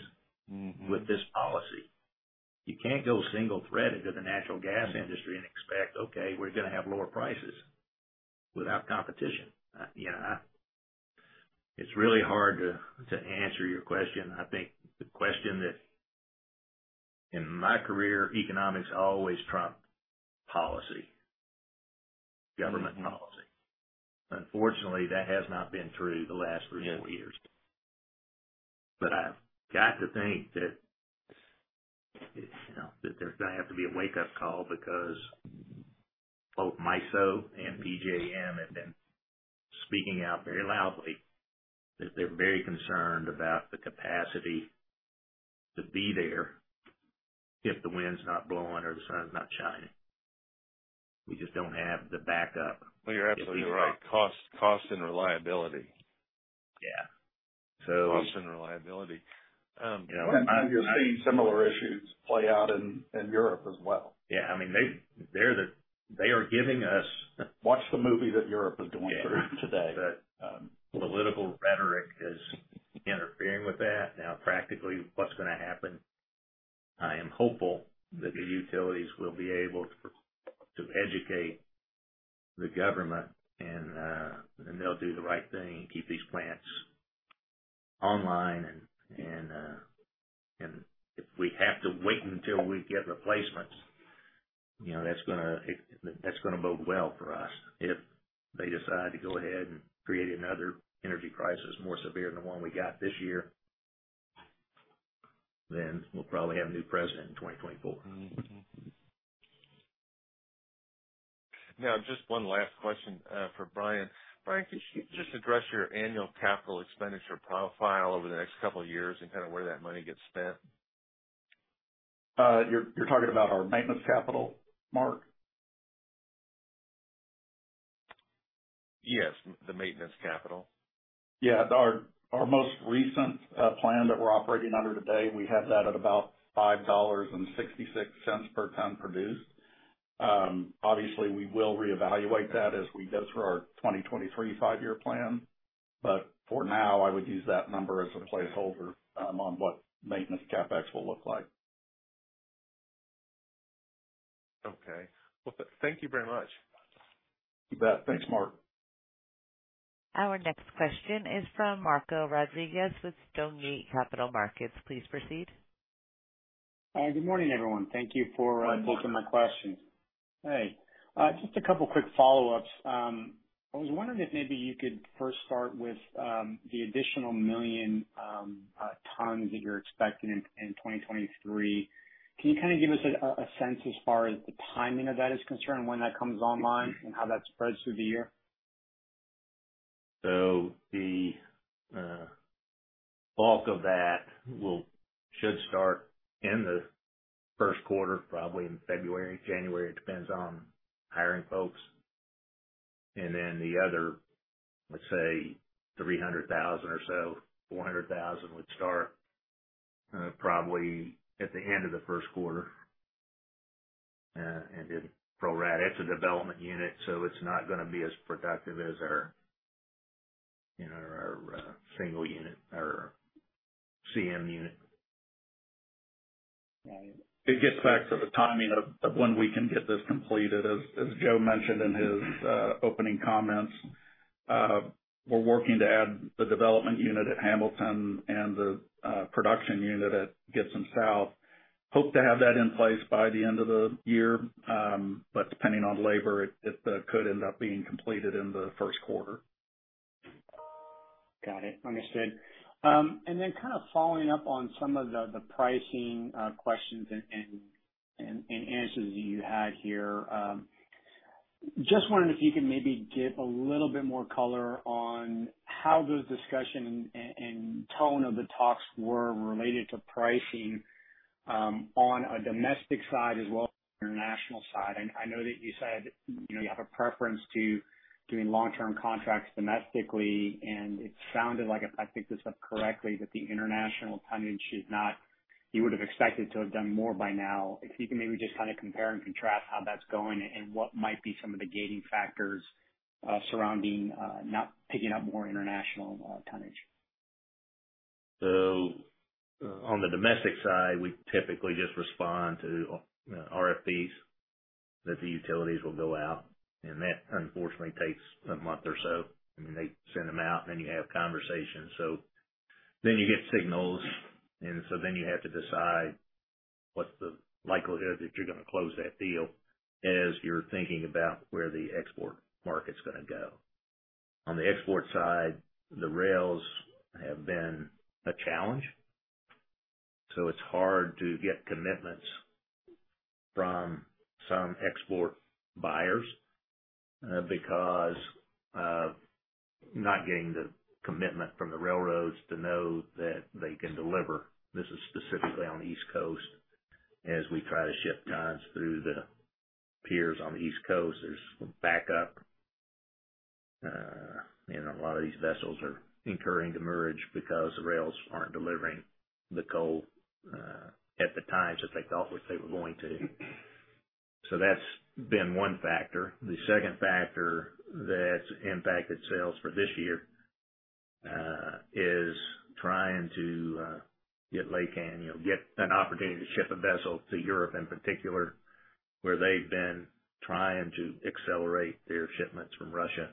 Mm-hmm With this policy. You can't go single thread into the natural gas industry and expect, okay, we're gonna have lower prices without competition. You know, it's really hard to answer your question. In my career, economics always trump policy, government policy. Unfortunately, that has not been true the last three, four years. I've got to think that, you know, there's gonna have to be a wake-up call because both MISO and PJM have been speaking out very loudly that they're very concerned about the capacity to be there if the wind's not blowing or the sun's not shining. We just don't have the backup. Well, you're absolutely right. Cost and reliability. Yeah. Cost and reliability. You know, You're seeing similar issues play out in Europe as well. Yeah, I mean, they are giving us- Watch the movie that Europe is going through today. Yeah. The political rhetoric is interfering with that. Now, practically, what's gonna happen, I am hopeful that the utilities will be able to educate the government and they'll do the right thing and keep these plants online. If we have to wait until we get replacements, you know, that's gonna bode well for us. If they decide to go ahead and create another energy crisis more severe than the one we got this year, then we'll probably have a new president in 2024. Now, just one last question for Brian. Brian, could you just address your annual capital expenditure profile over the next couple of years and kind of where that money gets spent? You're talking about our maintenance capital, Mark? Yes, the maintenance capital. Yeah. Our most recent plan that we're operating under today, we have that at about $5.66 per ton produced. Obviously, we will reevaluate that as we go through our 2023 five-year plan, but for now, I would use that number as a placeholder on what maintenance CapEx will look like. Okay. Well, thank you very much. You bet. Thanks, Mark. Our next question is from Marco Rodriguez with Stonegate Capital Markets. Please proceed. Good morning, everyone. Thank you for taking my questions. Hey, just a couple quick follow-ups. I was wondering if maybe you could first start with the additional 1 million tons that you're expecting in 2023. Can you kind of give us a sense as far as the timing of that is concerned, when that comes online and how that spreads through the year? The bulk of that should start in the first quarter, probably in February, January. It depends on hiring folks. The other, let's say 300,000 or so, 400,000 would start probably at the end of the first quarter and then prorate. It's a development unit, so it's not gonna be as productive as our, you know, single unit or CM unit. It gets back to the timing of when we can get this completed. As Joe mentioned in his opening comments, we're working to add the development unit at Hamilton and the production unit at Gibson South. Hope to have that in place by the end of the year. Depending on labor, it could end up being completed in the first quarter. Got it. Understood. And then kind of following up on some of the pricing, questions and answers you had here, just wondering if you could maybe give a little bit more color on how those discussions and tone of the talks were related to pricing, on a domestic side as well as international side. I know that you said, you know, you have a preference to doing long-term contracts domestically, and it sounded like, if I picked this up correctly, that the international tonnage is not you would have expected to have done more by now. If you can maybe just kind of compare and contrast how that's going and what might be some of the gating factors surrounding not picking up more international tonnage. On the domestic side, we typically just respond to RFPs that the utilities will go out, and that unfortunately takes a month or so. I mean, they send them out and then you have conversations. You get signals, and so then you have to decide what's the likelihood that you're gonna close that deal as you're thinking about where the export market's gonna go. On the export side, the rails have been a challenge, so it's hard to get commitments from some export buyers because of not getting the commitment from the railroads to know that they can deliver. This is specifically on the East Coast. As we try to ship tons through the piers on the East Coast, there's backup. A lot of these vessels are incurring demurrage because the rails aren't delivering the coal at the times that they thought that they were going to. That's been one factor. The second factor that's impacted sales for this year is trying to get laycan, you know, get an opportunity to ship a vessel to Europe in particular, where they've been trying to accelerate their shipments from Russia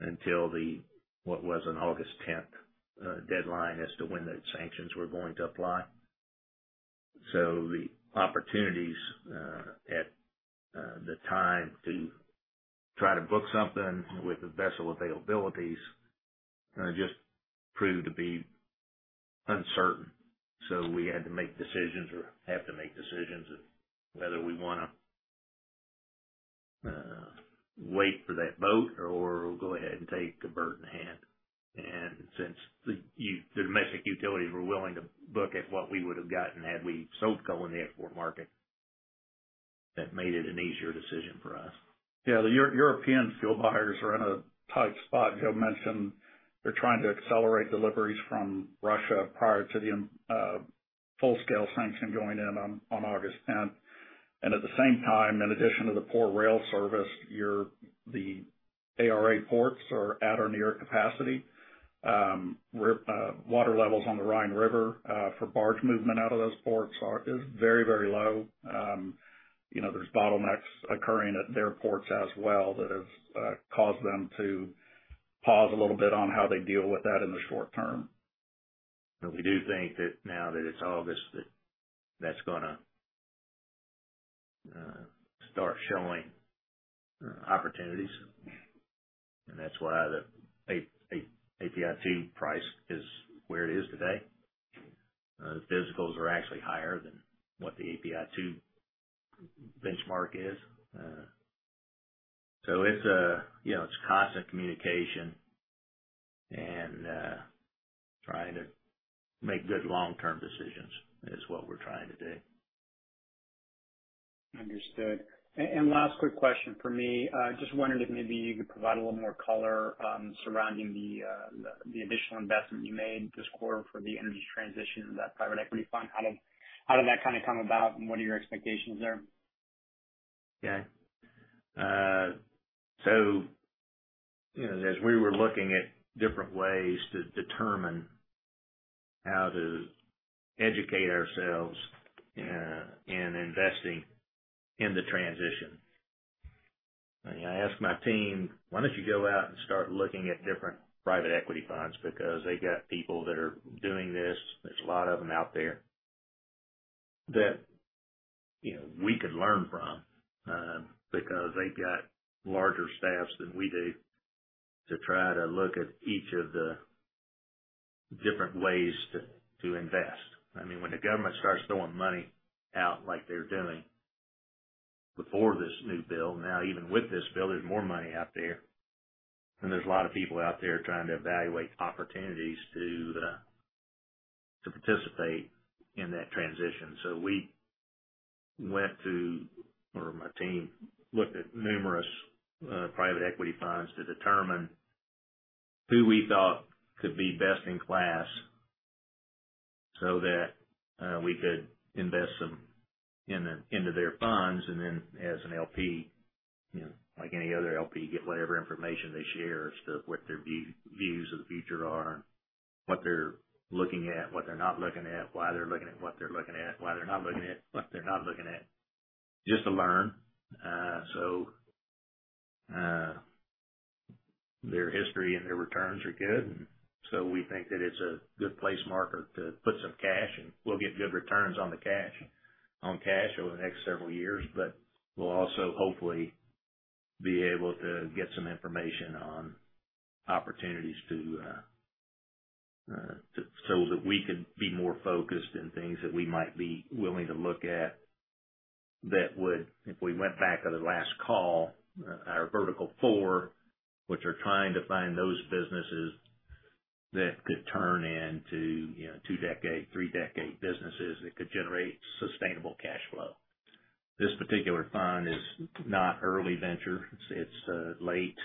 until the, what was an August tenth, deadline as to when the sanctions were going to apply. The opportunities at the time to try to book something with the vessel availabilities just proved to be uncertain. We had to make decisions of whether we wanna wait for that boat or go ahead and take a bird in hand. Since the domestic utilities were willing to book at what we would have gotten had we sold coal in the export market, that made it an easier decision for us. Yeah. The European steel buyers are in a tight spot. Joe mentioned they're trying to accelerate deliveries from Russia prior to the full-scale sanction going in on August 10th. At the same time, in addition to the poor rail service, the ARA ports are at or near capacity. Water levels on the Rhine River for barge movement out of those ports are very, very low. You know, there's bottlenecks occurring at their ports as well that have caused them to pause a little bit on how they deal with that in the short term. We do think that now that it's August, that that's gonna start showing opportunities. That's why the API2 price is where it is today. The physicals are actually higher than what the API2 benchmark is. It's constant communication and trying to make good long-term decisions is what we're trying to do. Understood. Last quick question from me. Just wondering if maybe you could provide a little more color surrounding the additional investment you made this quarter for the energy transition, that private equity fund. How did that kind of come about, and what are your expectations there? Okay. You know, as we were looking at different ways to determine how to educate ourselves in investing in the transition, I asked my team, "Why don't you go out and start looking at different private equity funds?" Because they got people that are doing this, there's a lot of them out there that, you know, we could learn from, because they've got larger staffs than we do to try to look at each of the different ways to invest. I mean, when the government starts throwing money out like they're doing before this new bill. Now, even with this bill, there's more money out there, and there's a lot of people out there trying to evaluate opportunities to participate in that transition. We went to. My team looked at numerous private equity funds to determine who we thought could be best in class so that we could invest some into their funds, and then as an LP, you know, like any other LP, get whatever information they share as to what their views of the future are, and what they're looking at, what they're not looking at, why they're looking at what they're looking at, why they're not looking at what they're not looking at, just to learn. Their history and their returns are good. We think that it's a good place, Marco, to put some cash, and we'll get good returns on the cash, on cash over the next several years. We'll also hopefully be able to get some information on opportunities so that we could be more focused in things that we might be willing to look at that would, if we went back to the last call, our vertical four, which are trying to find those businesses that could turn into, you know, two decade, three decade businesses that could generate sustainable cash flow. This particular fund is not early venture. It's late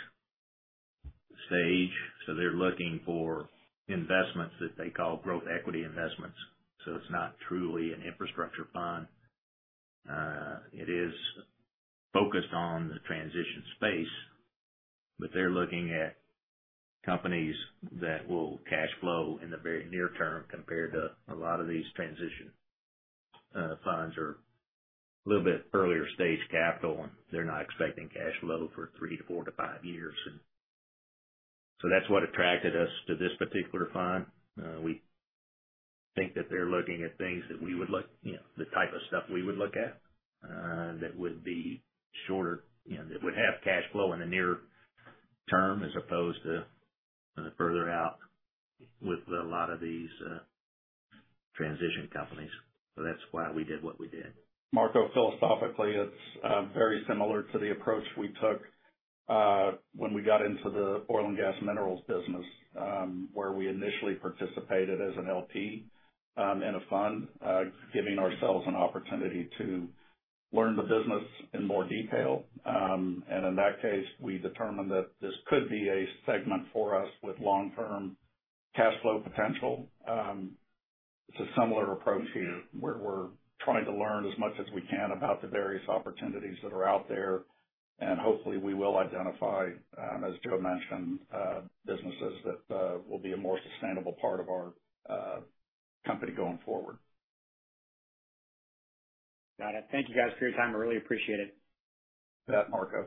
stage, so they're looking for investments that they call growth equity investments. It's not truly an infrastructure fund. It is focused on the transition space, but they're looking at companies that will cash flow in the very near term compared to a lot of these transition funds are a little bit earlier stage capital, and they're not expecting cash flow for three to four to five years. That's what attracted us to this particular fund. We think that they're looking at things that we would look, you know, the type of stuff we would look at, that would be shorter, you know, that would have cash flow in the near term as opposed to kind of further out with a lot of these transition companies. That's why we did what we did. Marco, philosophically, it's very similar to the approach we took when we got into the oil and gas minerals business, where we initially participated as an LP in a fund, giving ourselves an opportunity to learn the business in more detail. In that case, we determined that this could be a segment for us with long-term cash flow potential. It's a similar approach here, where we're trying to learn as much as we can about the various opportunities that are out there, and hopefully we will identify, as Joe mentioned, businesses that will be a more sustainable part of our company going forward. Got it. Thank you guys for your time. I really appreciate it. You bet, Marco.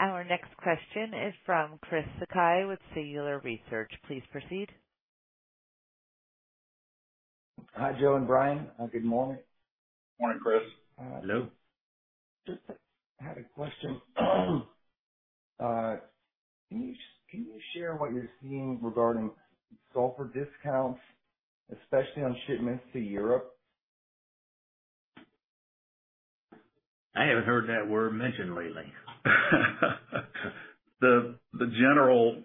Our next question is from Chris Sakai with Singular Research. Please proceed. Hi, Joe and Brian. Good morning. Morning, Chris. Hello. Just had a question. Can you share what you're seeing regarding sulfur discounts, especially on shipments to Europe? I haven't heard that word mentioned lately. In general,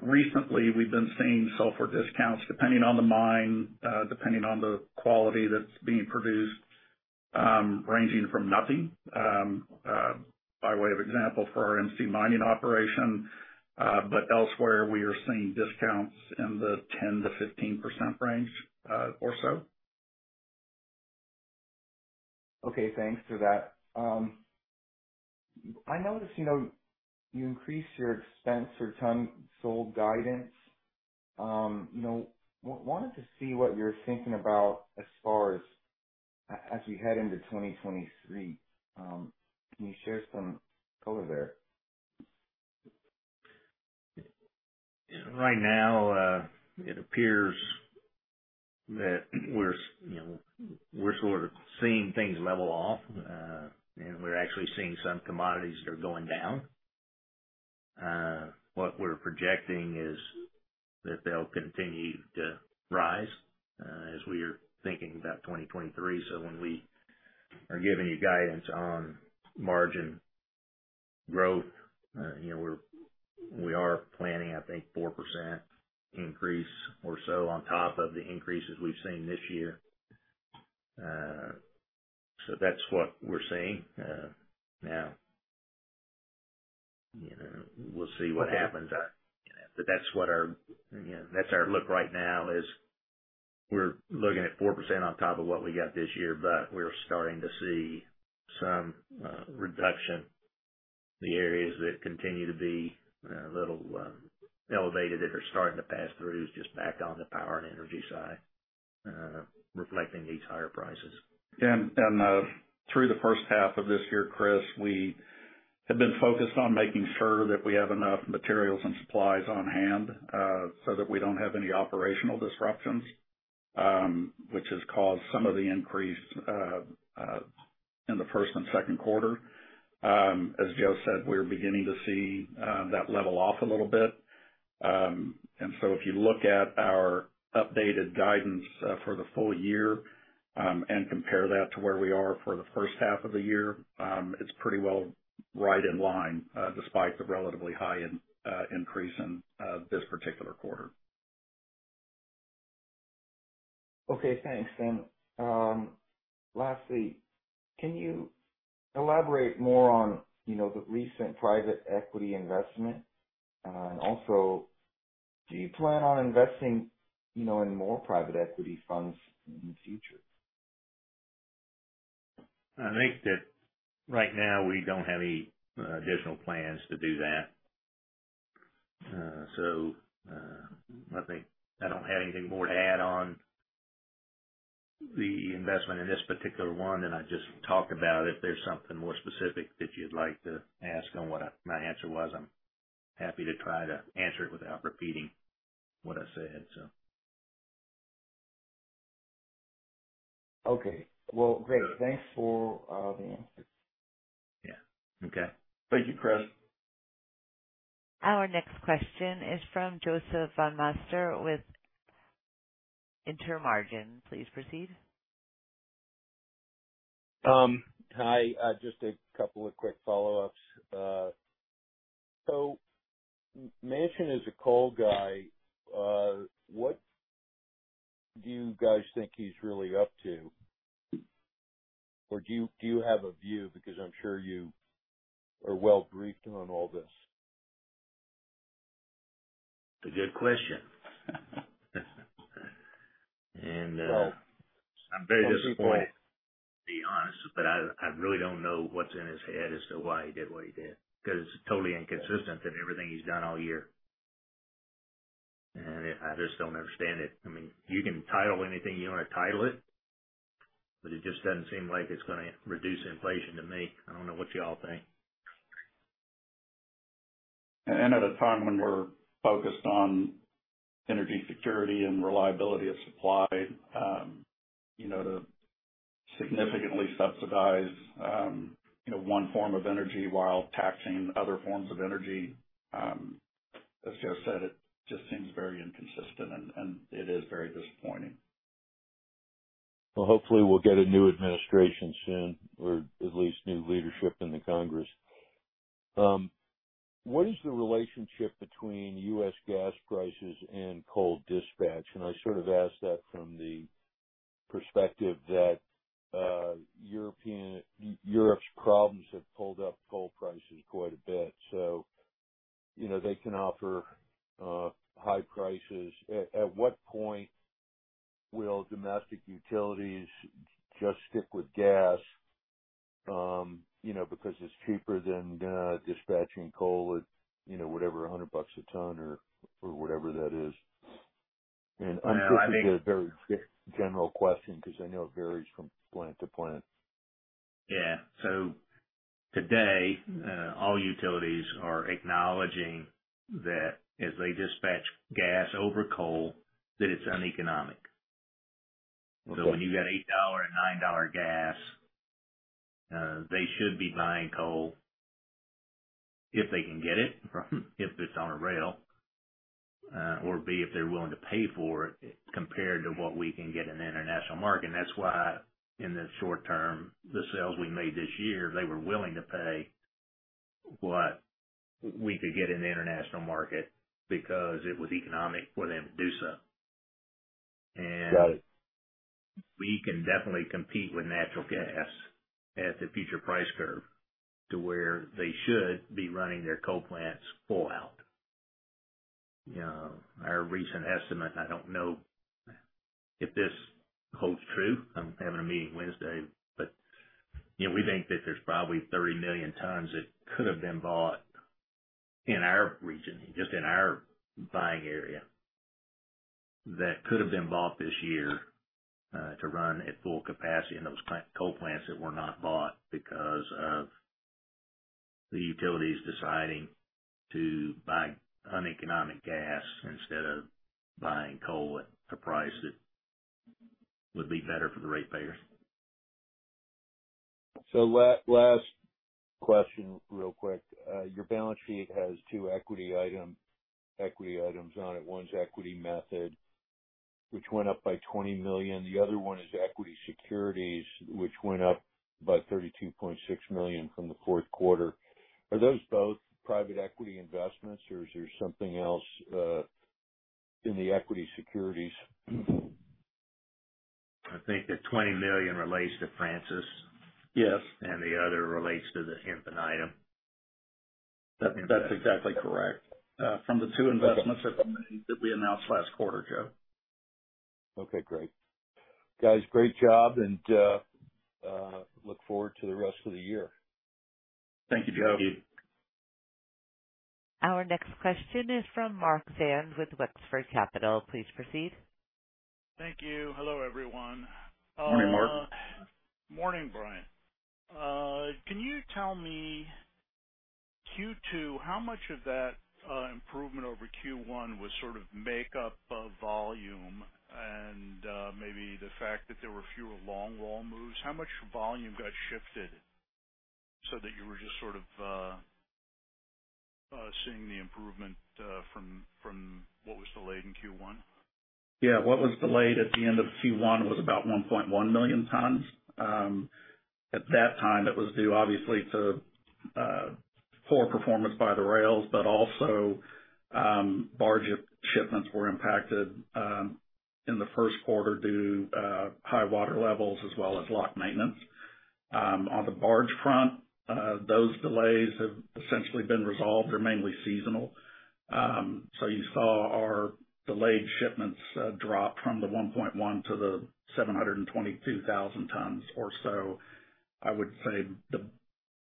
recently we've been seeing sulfur discounts depending on the mine, depending on the quality that's being produced, ranging from nothing, by way of example, for our MC Mining operation. Elsewhere, we are seeing discounts in the 10%-15% range, or so. Okay. Thanks for that. I noticed, you know, you increased your expense per ton sold guidance. You know, wanted to see what you're thinking about as far as as we head into 2023. Can you share some color there? Right now, it appears that we're, you know, sort of seeing things level off. We're actually seeing some commodities that are going down. What we're projecting is that they'll continue to rise, as we are thinking about 2023. When we are giving you guidance on margin growth, you know, we are planning, I think, 4% increase or so on top of the increases we've seen this year. That's what we're seeing. Now, you know, we'll see what happens. That's what our, you know, that's our look right now is we're looking at 4% on top of what we got this year, but we're starting to see some reduction. The areas that continue to be a little elevated that are starting to pass through is just back on the power and energy side, reflecting these higher prices. Through the first half of this year, Chris, we have been focused on making sure that we have enough materials and supplies on hand, so that we don't have any operational disruptions, which has caused some of the increase in the first and second quarter. As Joe said, we're beginning to see that level off a little bit. If you look at our updated guidance for the full year and compare that to where we are for the first half of the year, it's pretty well right in line despite the relatively high increase in this particular quarter. Okay, thanks. Lastly, can you elaborate more on, you know, the recent private equity investment? Also, do you plan on investing, you know, in more private equity funds in the future? I think that right now we don't have any additional plans to do that. Nothing. I don't have anything more to add on the investment in this particular one than I just talked about. If there's something more specific that you'd like to ask on what my answer was, I'm happy to try to answer it without repeating what I said, so. Okay. Well, great. Thanks for the answers. Yeah. Okay. Thank you, Chris. Our next question is from Joseph Von Meister with Intermarket. Please proceed. Hi. Just a couple of quick follow-ups. Manchin is a coal guy. What do you guys think he's really up to? Do you have a view? Because I'm sure you are well briefed on all this. It's a good question. I'm very disappointed, to be honest, but I really don't know what's in his head as to why he did what he did, 'cause it's totally inconsistent than everything he's done all year. I just don't understand it. I mean, you can title anything you wanna title it, but it just doesn't seem like it's gonna reduce inflation to me. I don't know what y'all think. At a time when we're focused on energy security and reliability of supply, you know, to significantly subsidize, you know, one form of energy while taxing other forms of energy, as Joe said, it just seems very inconsistent and it is very disappointing. Well, hopefully we'll get a new administration soon or at least new leadership in the Congress. What is the relationship between U.S. gas prices and coal dispatch? I sort of ask that from the perspective that Europe's problems have pulled up coal prices quite a bit, so, you know, they can offer high prices. At what point will domestic utilities just stick with gas? You know, because it's cheaper than dispatching coal at, you know, whatever, $100 a ton or whatever that is. I'm sure this is a very general question because I know it varies from plant to plant. Yeah. Today, all utilities are acknowledging that as they dispatch gas over coal, that it's uneconomic. Okay. When you get $8 and $9 gas, they should be buying coal if they can get it if it's on a rail, or be, if they're willing to pay for it compared to what we can get in the international market. That's why in the short term, the sales we made this year, they were willing to pay what we could get in the international market because it was economic for them to do so. Got it. We can definitely compete with natural gas at the future price curve to where they should be running their coal plants full out. Our recent estimate, I don't know if this holds true. I'm having a meeting Wednesday, but, you know, we think that there's probably 30 million tons that could have been bought in our region, just in our buying area, that could have been bought this year, to run at full capacity in those coal plants that were not bought because of the utilities deciding to buy uneconomic gas instead of buying coal at a price that would be better for the ratepayers. Last question real quick. Your balance sheet has two equity items on it. One's equity method, which went up by $20 million. The other one is equity securities, which went up by $32.6 million from the fourth quarter. Are those both private equity investments or is there something else in the equity securities? I think the $20 million relates to Francis Energy. Yes. The other relates to the Hempel item. That's exactly correct. From the two investments that we announced last quarter, Joe. Okay, great. Guys, great job and look forward to the rest of the year. Thank you, Joe. Thank you. Our next question is from Mark Zands with Wexford Capital. Please proceed. Thank you. Hello, everyone. Morning, Mark. Morning, Brian. Can you tell me Q2, how much of that improvement over Q1 was sort of make up of volume and maybe the fact that there were fewer longwall moves? How much volume got shifted? That you were just sort of seeing the improvement from what was delayed in Q1? Yeah. What was delayed at the end of Q1 was about 1.1 million tons. At that time, it was due obviously to poor performance by the rails, but also, barge shipments were impacted in the first quarter due to high water levels as well as lock maintenance. On the barge front, those delays have essentially been resolved. They're mainly seasonal. You saw our delayed shipments drop from the 1.1 to the 722,000 tons or so. I would say the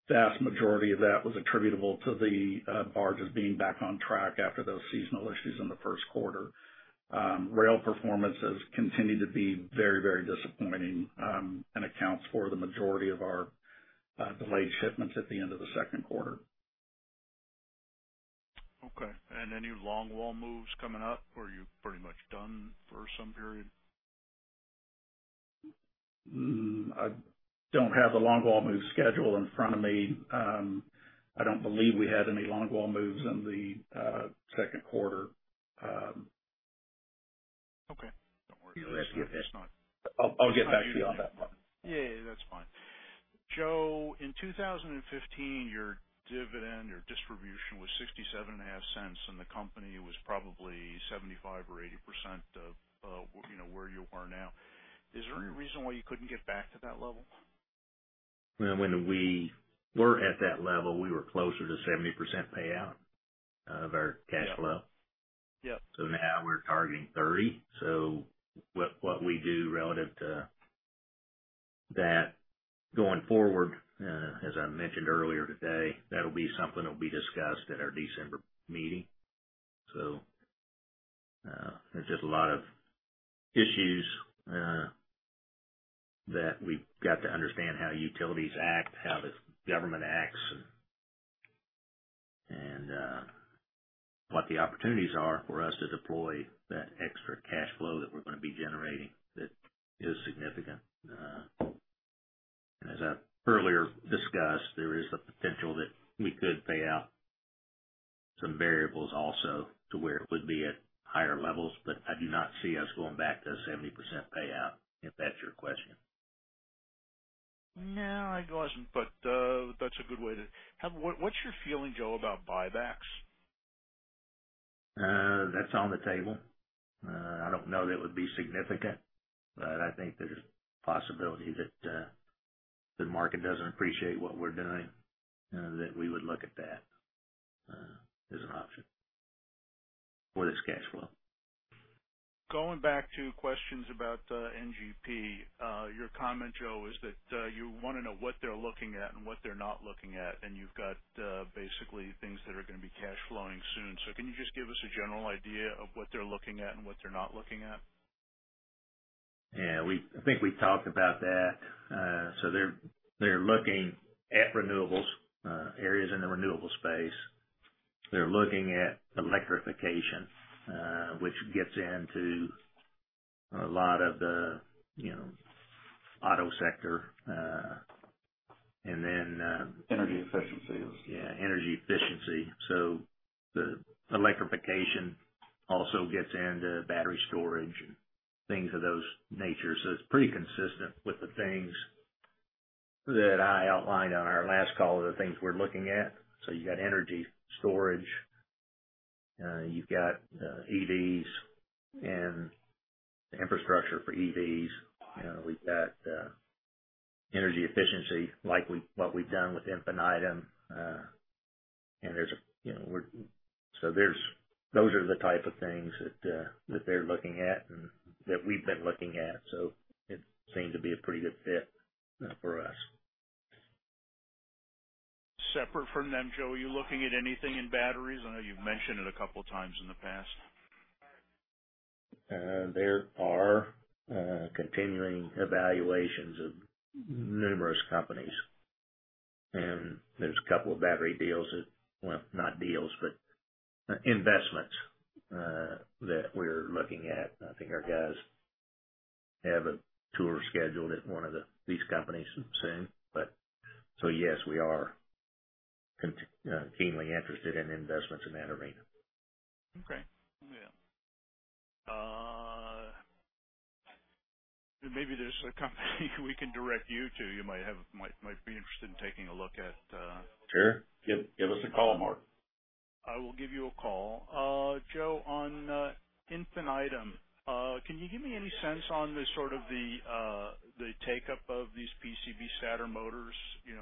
vast majority of that was attributable to the barges being back on track after those seasonal issues in the first quarter. Rail performance has continued to be very, very disappointing and accounts for the majority of our delayed shipments at the end of the second quarter. Okay. Any longwall moves coming up, or are you pretty much done for some period? I don't have the longwall move schedule in front of me. I don't believe we had any longwall moves in the second quarter. Okay. Don't worry. That's not- I'll get back to you on that one. Yeah, that's fine. Joe, in 2015, your dividend, your distribution was $0.675, and the company was probably 75% or 80% of where you are now. Is there any reason why you couldn't get back to that level? When we were at that level, we were closer to 70% payout of our cash flow. Yep. Now we're targeting 30. What we do relative to that going forward, as I mentioned earlier today, that'll be something that will be discussed at our December meeting. There's just a lot of issues that we've got to understand how utilities act, how the government acts and what the opportunities are for us to deploy that extra cash flow that we're going to be generating that is significant. And as I earlier discussed, there is a potential that we could pay out some variables also to where it would be at higher levels, but I do not see us going back to a 70% payout, if that's your question. No, it wasn't, but that's a good way. What's your feeling, Joe, about buybacks? That's on the table. I don't know that it would be significant, but I think there's a possibility that the market doesn't appreciate what we're doing, that we would look at that, as an option for this cash flow. Going back to questions about NGP. Your comment, Joe, is that you wanna know what they're looking at and what they're not looking at, and you've got basically things that are gonna be cash flowing soon. Can you just give us a general idea of what they're looking at and what they're not looking at? Yeah. I think we talked about that. They're looking at renewables areas in the renewable space. They're looking at electrification, which gets into a lot of the, you know, auto sector, and then. Energy efficiency. Yeah, energy efficiency. The electrification also gets into battery storage and things of that nature. It's pretty consistent with the things that I outlined on our last call, the things we're looking at. You've got energy storage, you've got EVs and the infrastructure for EVs. You know, we've got energy efficiency like what we've done with Infinitum. And those are the type of things that they're looking at and that we've been looking at. It seemed to be a pretty good fit for us. Separate from them, Joe Craft, are you looking at anything in batteries? I know you've mentioned it a couple times in the past. There are continuing evaluations of numerous companies, and there's a couple of battery deals that, well, not deals, but investments, that we're looking at. I think our guys have a tour scheduled at one of these companies soon. Yes, we are keenly interested in investments in that arena. Yeah, maybe there's a company we can direct you to, you might be interested in taking a look at. Sure. Give us a call, Mark. I will give you a call. Joe, on Infinitum, can you give me any sense on the sort of take-up of these PCB stator motors? You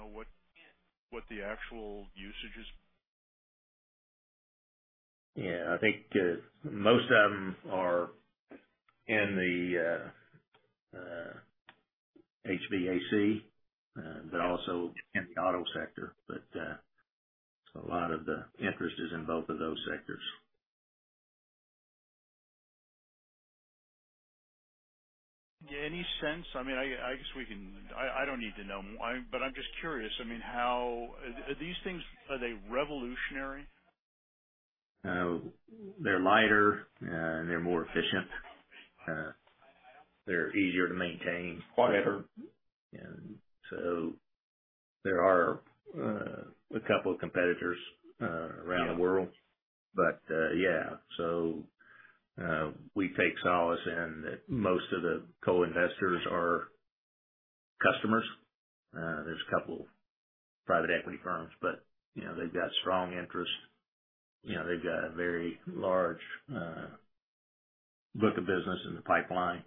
know, what the actual usage is? Yeah. I think most of them are in the HVAC, but also in the auto sector. A lot of the interest is in both of those sectors. Any sense? I mean, I guess we can. I don't need to know. I'm just curious. I mean, how these things, are they revolutionary? They're lighter, and they're more efficient. They're easier to maintain. Quicker. There are a couple of competitors around the world. Yeah. We take solace in that most of the co-investors are customers. There's a couple private equity firms, but you know, they've got strong interest. You know, they've got a very large book of business in the pipeline.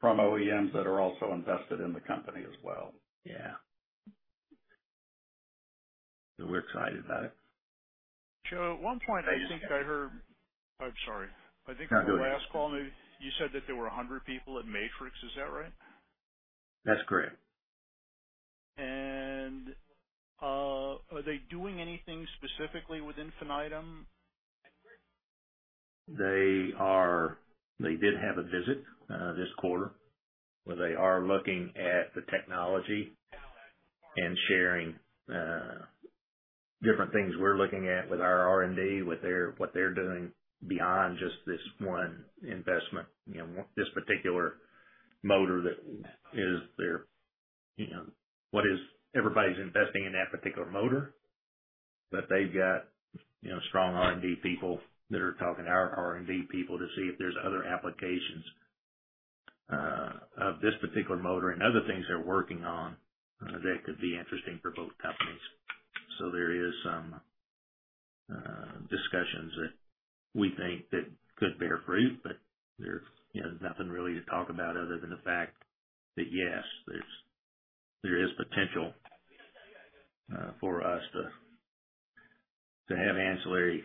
From OEMs that are also invested in the company as well. Yeah. We're excited about it. Joe, I'm sorry. No, go ahead. I think the last call maybe, you said that there were 100 people at Matrix. Is that right? That's correct. Are they doing anything specifically with Infinitum? They are. They did have a visit this quarter, where they are looking at the technology and sharing different things we're looking at with our R&D, what they're doing beyond just this one investment. You know, this particular motor that is their, you know. Everybody's investing in that particular motor, but they've got, you know, strong R&D people that are talking to our R&D people to see if there's other applications of this particular motor and other things they're working on that could be interesting for both companies. There is some discussions that we think that could bear fruit, but there's, you know, nothing really to talk about other than the fact that, yes, there is potential for us to have ancillary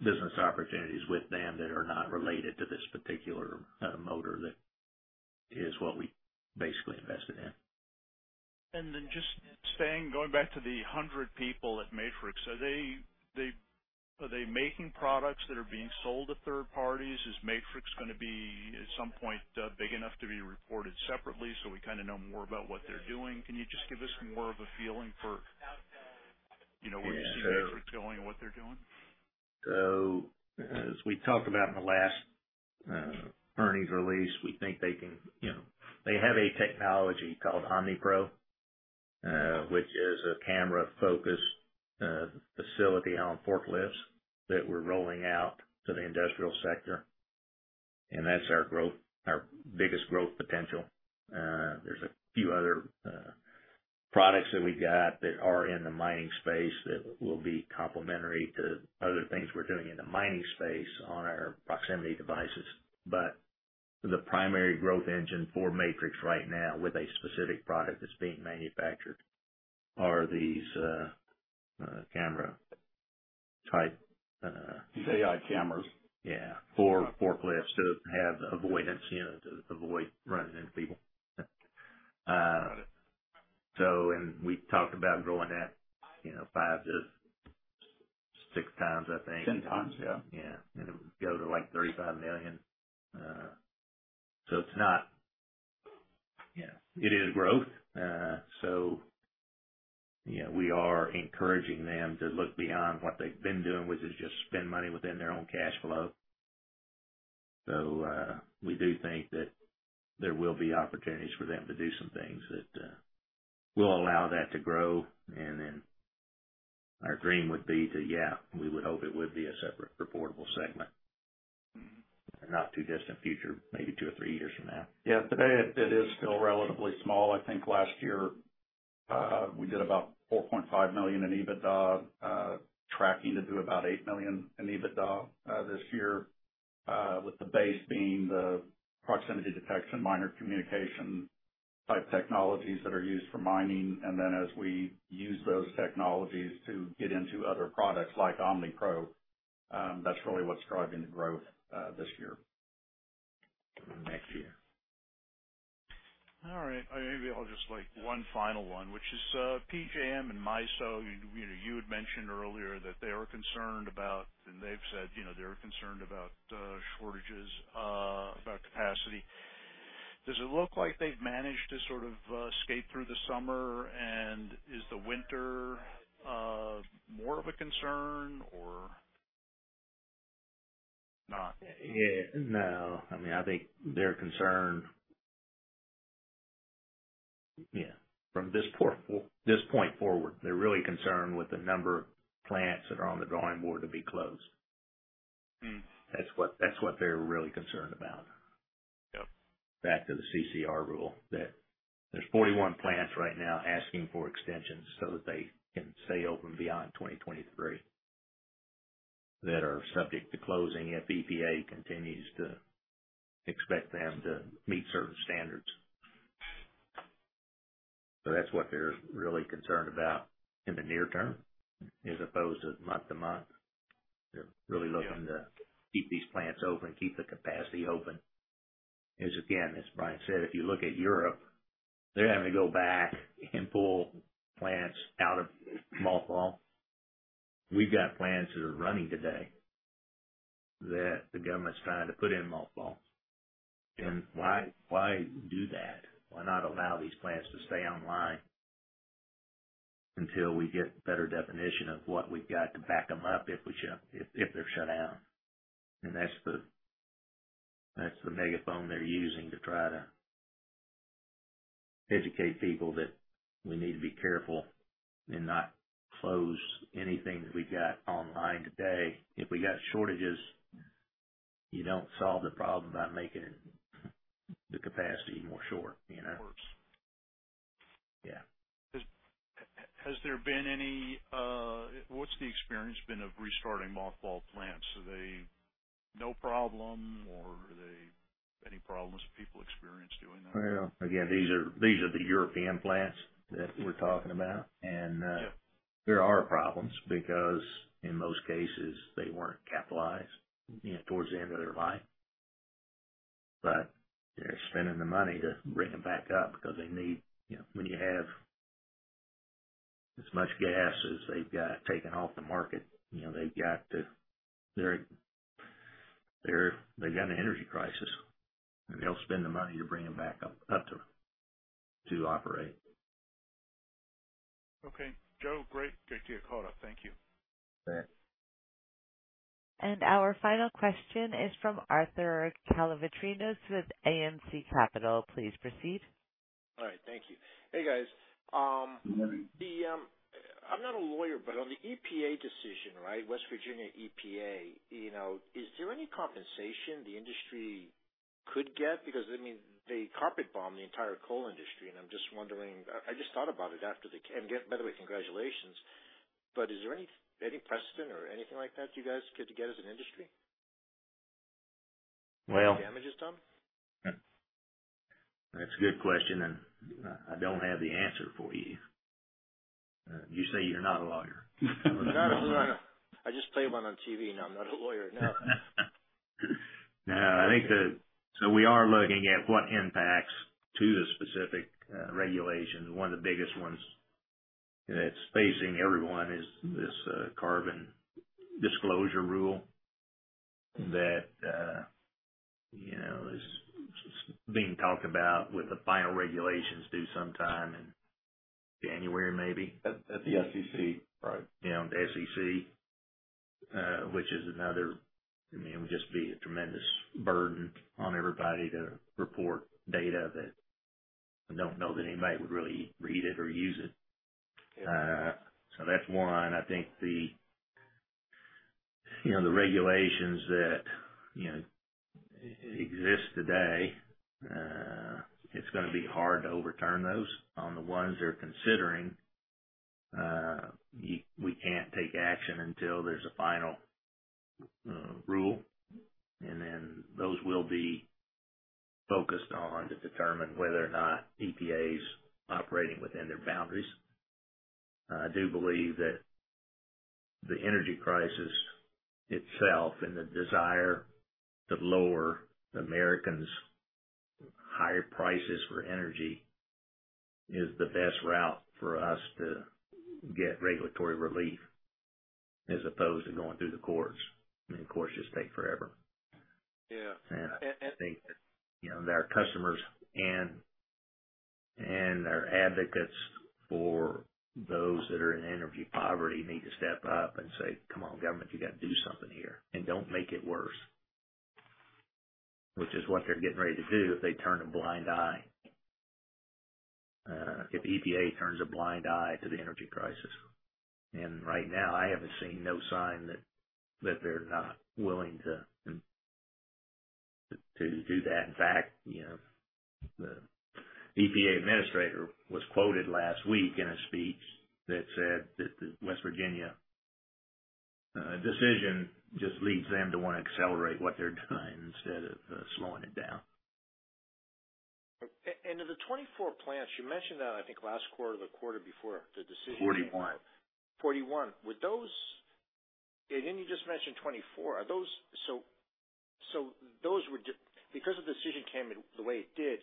business opportunities with them that are not related to this particular motor that is what we basically invested in. Going back to the 100 people at Matrix, are they making products that are being sold to third parties? Is Matrix gonna be, at some point, big enough to be reported separately, so we kinda know more about what they're doing? Can you just give us more of a feeling for, you know, where you see Matrix going and what they're doing? As we talked about in the last earnings release, we think they can. You know, they have a technology called OmniPro, which is a camera-focused facility on forklifts that we're rolling out to the industrial sector. That's our growth, our biggest growth potential. There's a few other products that we got that are in the mining space that will be complementary to other things we're doing in the mining space on our proximity devices. The primary growth engine for Matrix right now with a specific product that's being manufactured are these camera type. These AI cameras. Yeah, for forklifts to have avoidance, you know, to avoid running into people. Got it. We talked about growing that, you know, 5x-6x, I think. 10x, yeah. Yeah. It would go to, like, $35 million. It's not. You know, it is growth. You know, we are encouraging them to look beyond what they've been doing, which is just spend money within their own cash flow. We do think that there will be opportunities for them to do some things that will allow that to grow. Then our dream would be to, yeah, we would hope it would be a separate reportable segment. Mm-hmm. In the not too distant future, maybe two or three years from now. Yeah. Today it is still relatively small. I think last year we did about $4.5 million in EBITDA, tracking to do about $8 million in EBITDA this year, with the base being the proximity detection, miner communication type technologies that are used for mining. Then as we use those technologies to get into other products like OmniPro, that's really what's driving the growth this year. Next year. All right. Maybe I'll just like one final one, which is, PJM and MISO. You know, you had mentioned earlier that they were concerned about, and they've said, you know, they're concerned about, shortages, about capacity. Does it look like they've managed to sort of, skate through the summer? Is the winter, more of a concern or not? Yeah. No. I mean, I think they're concerned. Yeah, from this point forward, they're really concerned with the number of plants that are on the drawing board to be closed. Hmm. That's what they're really concerned about. Yep. Back to the CCR rule, that there's 41 plants right now asking for extensions so that they can stay open beyond 2023, that are subject to closing if EPA continues to expect them to meet certain standards. That's what they're really concerned about in the near term, as opposed to month to month. They're really looking to keep these plants open, keep the capacity open. Because again, as Brian said, if you look at Europe, they're having to go back and pull plants out of mothball. We've got plants that are running today that the government's trying to put in mothballs. Why do that? Why not allow these plants to stay online until we get better definition of what we've got to back them up if they're shut down? That's the megaphone they're using to try to educate people that we need to be careful and not close anything that we've got online today. If we got shortages, you don't solve the problem by making the capacity more short, you know? Of course. Yeah. What's the experience been of restarting mothballed plants? Are they no problem or are they any problems that people experience doing that? Well, again, these are the European plants that we're talking about. Yeah. There are problems because in most cases, they weren't capitalized, you know, towards the end of their life. They're spending the money to bring them back up because they need. You know, when you have as much gas as they've got taken off the market, you know, they've got to. They've got an energy crisis, and they'll spend the money to bring them back up to operate. Okay. Joe, great. Great to get caught up. Thank you. All right. Our final question is from Arthur Calavritinos with ANC Capital. Please proceed. All right. Thank you. Hey, guys. Good morning. I'm not a lawyer, but on the EPA decision, right, West Virginia v. EPA, you know, is there any compensation the industry could get? Because, I mean, they carpet-bombed the entire coal industry, and I'm just wondering. By the way, congratulations. Is there any precedent or anything like that you guys could get as an industry? Well- for the damages done? That's a good question, and I don't have the answer for you. You say you're not a lawyer. I'm not. I just play one on TV. No, I'm not a lawyer. No. No, I think we are looking at what impacts to the specific regulations. One of the biggest ones that's facing everyone is this Climate-Related Disclosure Rules that you know is being talked about, with the final regulations due sometime in January, maybe. At the SEC, right? Yeah, the SEC. I mean, it would just be a tremendous burden on everybody to report data that I don't know that anybody would really read it or use it. Yeah. That's one. I think the, you know, the regulations that, you know, exist today, it's gonna be hard to overturn those. On the ones they're considering, we can't take action until there's a final rule. Then those we'll be focused on to determine whether or not EPA is operating within their boundaries. I do believe that the energy crisis itself and the desire to lower Americans' higher prices for energy is the best route for us to get regulatory relief, as opposed to going through the courts. I mean, the courts just take forever. Yeah. I think that, you know, their customers and their advocates for those that are in energy poverty need to step up and say, "Come on, government, you got to do something here. And don't make it worse." Which is what they're getting ready to do if they turn a blind eye, if the EPA turns a blind eye to the energy crisis. Right now, I haven't seen no sign that they're not willing to do that. In fact, you know, the EPA administrator was quoted last week in a speech that said that the West Virginia decision just leads them to wanna accelerate what they're doing instead of slowing it down. Of the 24 plants you mentioned, I think last quarter or the quarter before, the decision. 41. 41. Were those? Yeah. Didn't you just mention 24? Are those? So those were because the decision came in the way it did,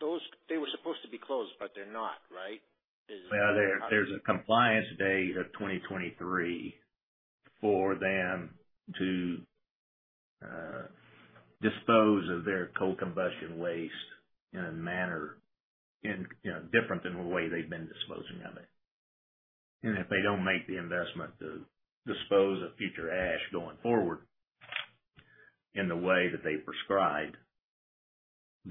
those, they were supposed to be closed, but they're not, right? Is it? Well, there's a compliance date of 2023 for them to dispose of their coal combustion waste in a manner in, you know, different than the way they've been disposing of it. If they don't make the investment to dispose of future ash going forward in the way that they prescribe,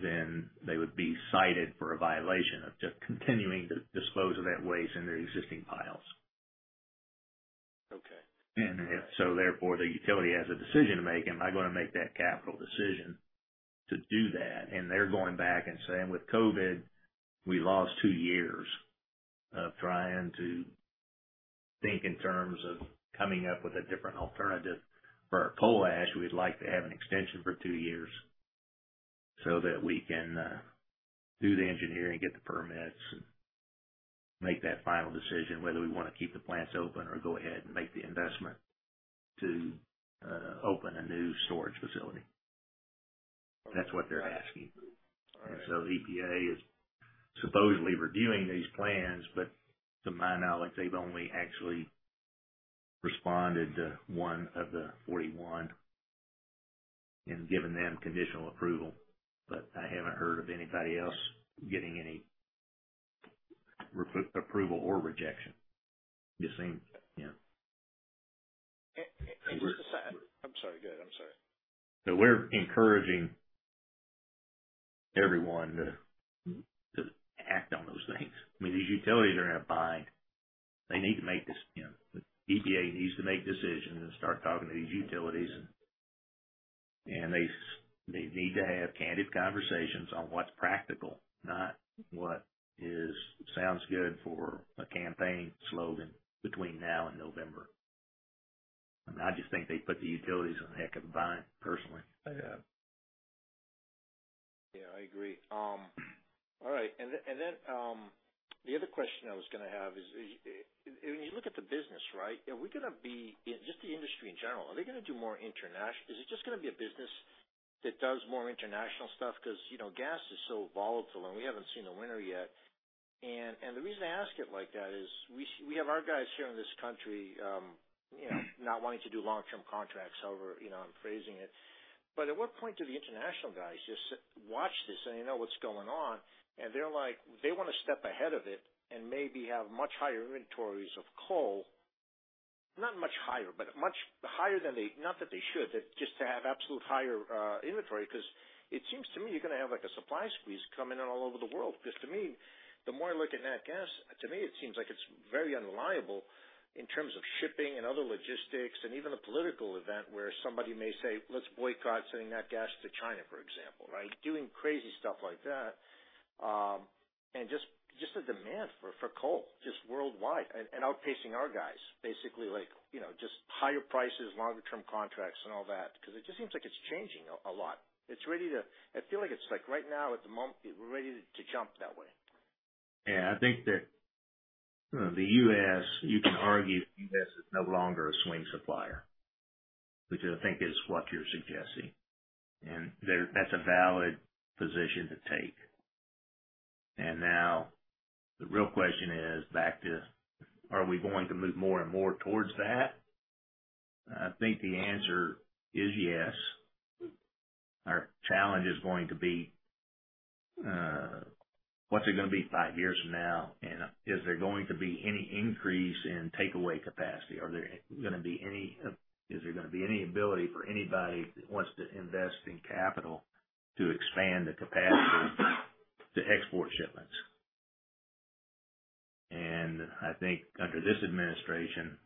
then they would be cited for a violation of just continuing to dispose of that waste in their existing piles. Okay. If so, therefore, the utility has a decision to make. Am I gonna make that capital decision to do that? They're going back and saying, with COVID, we lost two years of trying to think in terms of coming up with a different alternative for our coal ash. We'd like to have an extension for two years so that we can do the engineering, get the permits, and make that final decision whether we wanna keep the plants open or go ahead and make the investment to open a new storage facility. That's what they're asking. EPA is supposedly reviewing these plans, but to my knowledge, they've only actually responded to one of the 41 and given them conditional approval. I haven't heard of anybody else getting any re-approval or rejection. Just seems. Yeah. I'm sorry, go ahead. I'm sorry. We're encouraging everyone to act on those things. I mean, these utilities are in a bind. They need to make this, you know, the EPA needs to make decisions and start talking to these utilities. They need to have candid conversations on what's practical, not what sounds good for a campaign slogan between now and November. I just think they put the utilities in a heck of a bind, personally. Yeah. Yeah, I agree. All right. The other question I was gonna have is when you look at the business, right? Just the industry in general, are they gonna do more international? Is it just gonna be a business that does more international stuff? Because, you know, gas is so volatile and we haven't seen the winter yet. The reason I ask it like that is we have our guys here in this country, you know, not wanting to do long-term contracts over, you know, I'm phrasing it. At what point do the international guys just watch this, and they know what's going on, and they're like, they wanna step ahead of it and maybe have much higher inventories of coal. Not much higher, but much higher than they. Not that they should, but just to have absolute higher inventory, because it seems to me you're gonna have, like, a supply squeeze coming in all over the world. Because to me, the more I look at nat gas, to me it seems like it's very unreliable in terms of shipping and other logistics and even a political event where somebody may say, "Let's boycott sending nat gas to China," for example, right? Doing crazy stuff like that, and just the demand for coal, just worldwide and outpacing our guys, basically, like, you know, just higher prices, longer term contracts and all that because it just seems like it's changing a lot. It's ready to. I feel like it's like right now, we're ready to jump that way. Yeah. I think that, the U.S., you can argue the U.S. is no longer a swing supplier, which I think is what you're suggesting. That's a valid position to take. Now the real question is back to, are we going to move more and more towards that? I think the answer is yes. Our challenge is going to be, what's it gonna be five years from now? Is there going to be any increase in takeaway capacity? Are there gonna be any, is there gonna be any ability for anybody that wants to invest in capital to expand the capacity to export shipments? I think under this administration,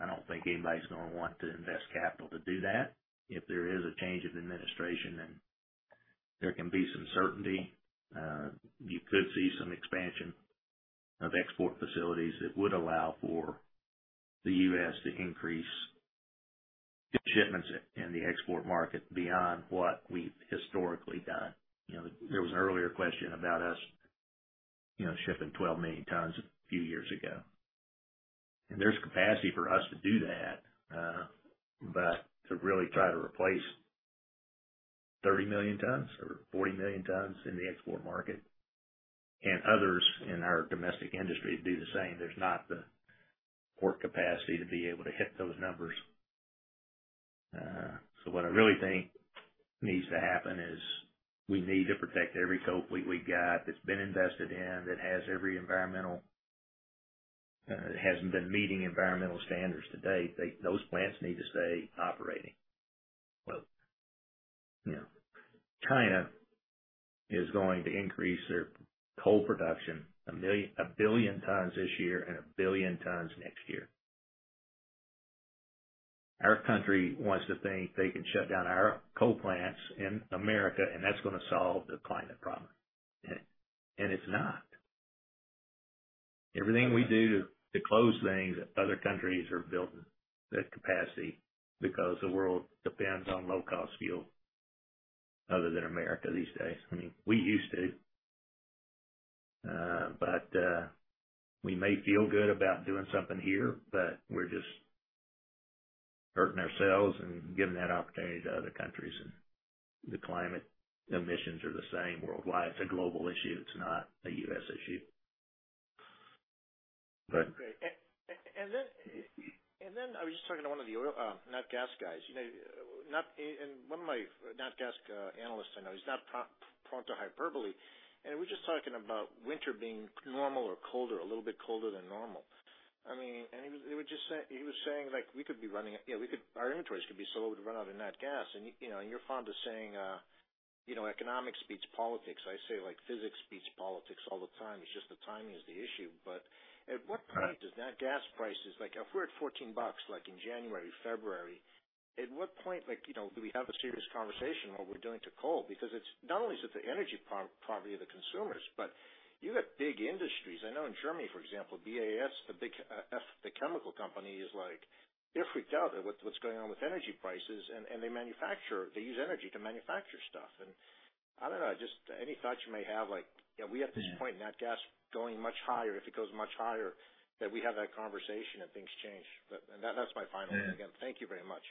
I don't think anybody's gonna want to invest capital to do that. If there is a change of administration and there can be some certainty, you could see some expansion of export facilities that would allow for the U.S. to increase shipments in the export market beyond what we've historically done. You know, there was an earlier question about us, you know, shipping 12 million tons a few years ago. There's capacity for us to do that, but to really try to replace 30 million tons or 40 million tons in the export market and others in our domestic industry do the same, there's not the port capacity to be able to hit those numbers. What I really think needs to happen is we need to protect every coal fleet we've got that's been invested in, that has every environmental, hasn't been meeting environmental standards to date. Those plants need to stay operating. Well, you know, China is going to increase their coal production 1 million, 1 billion tons this year and 1 billion tons next year. Our country wants to think they can shut down our coal plants in America, and that's gonna solve the climate problem. It's not. Everything we do to close things, other countries are building the capacity because the world depends on low cost fuel other than America these days. I mean, we used to. We may feel good about doing something here, but we're just hurting ourselves and giving that opportunity to other countries. The climate emissions are the same worldwide. It's a global issue. It's not a U.S. issue. Go ahead. Great. I was just talking to one of the oil nat gas guys. You know, one of my nat gas analysts I know, he's not prone to hyperbole, and we're just talking about winter being normal or colder, a little bit colder than normal. I mean, he was just saying, like, our inventories could be so low to run out of nat gas. You know, you're fond of saying, you know, economics beats politics. I say, like, physics beats politics all the time. It's just the timing is the issue. At what point? Right. Does nat gas prices, like if we're at $14, like in January, February, at what point, like, you know, do we have a serious conversation what we're doing to coal? Because it's not only is it the energy poverty of the consumers, but you got big industries. I know in Germany, for example, BASF, the big, the chemical company is, like, they're freaked out at what's going on with energy prices. And they manufacture, they use energy to manufacture stuff. And I don't know, just any thoughts you may have, like, you know, we at this point in nat gas going much higher, if it goes much higher, that we have that conversation and things change. That's my final one. Yeah. Again, thank you very much.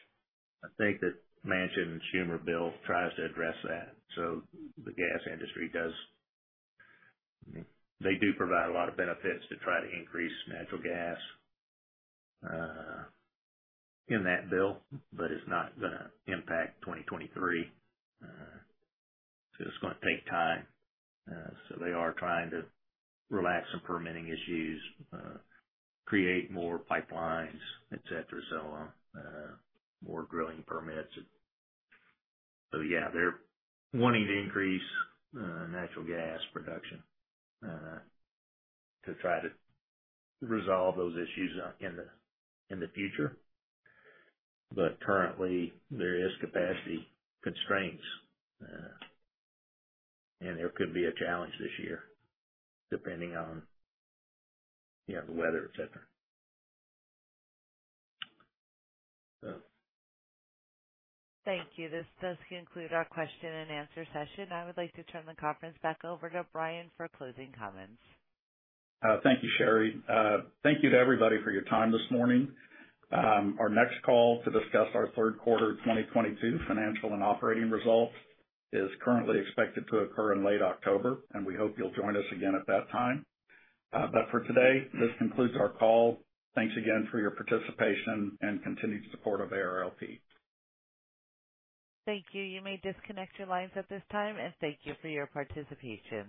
I think that Manchin and Schumer bill tries to address that. The gas industry, they do provide a lot of benefits to try to increase natural gas in that bill, but it's not gonna impact 2023. It's gonna take time. They are trying to relax some permitting issues, create more pipelines, et cetera. More drilling permits. Yeah, they're wanting to increase natural gas production to try to resolve those issues out in the future. Currently there is capacity constraints. There could be a challenge this year depending on, you know, the weather, et cetera. Thank you. This does conclude our question and answer session. I would like to turn the conference back over to Brian for closing comments. Thank you, Sherry. Thank you to everybody for your time this morning. Our next call to discuss our third quarter 2022 financial and operating results is currently expected to occur in late October, and we hope you'll join us again at that time. For today, this concludes our call. Thanks again for your participation and continued support of ARLP. Thank you. You may disconnect your lines at this time and thank you for your participation.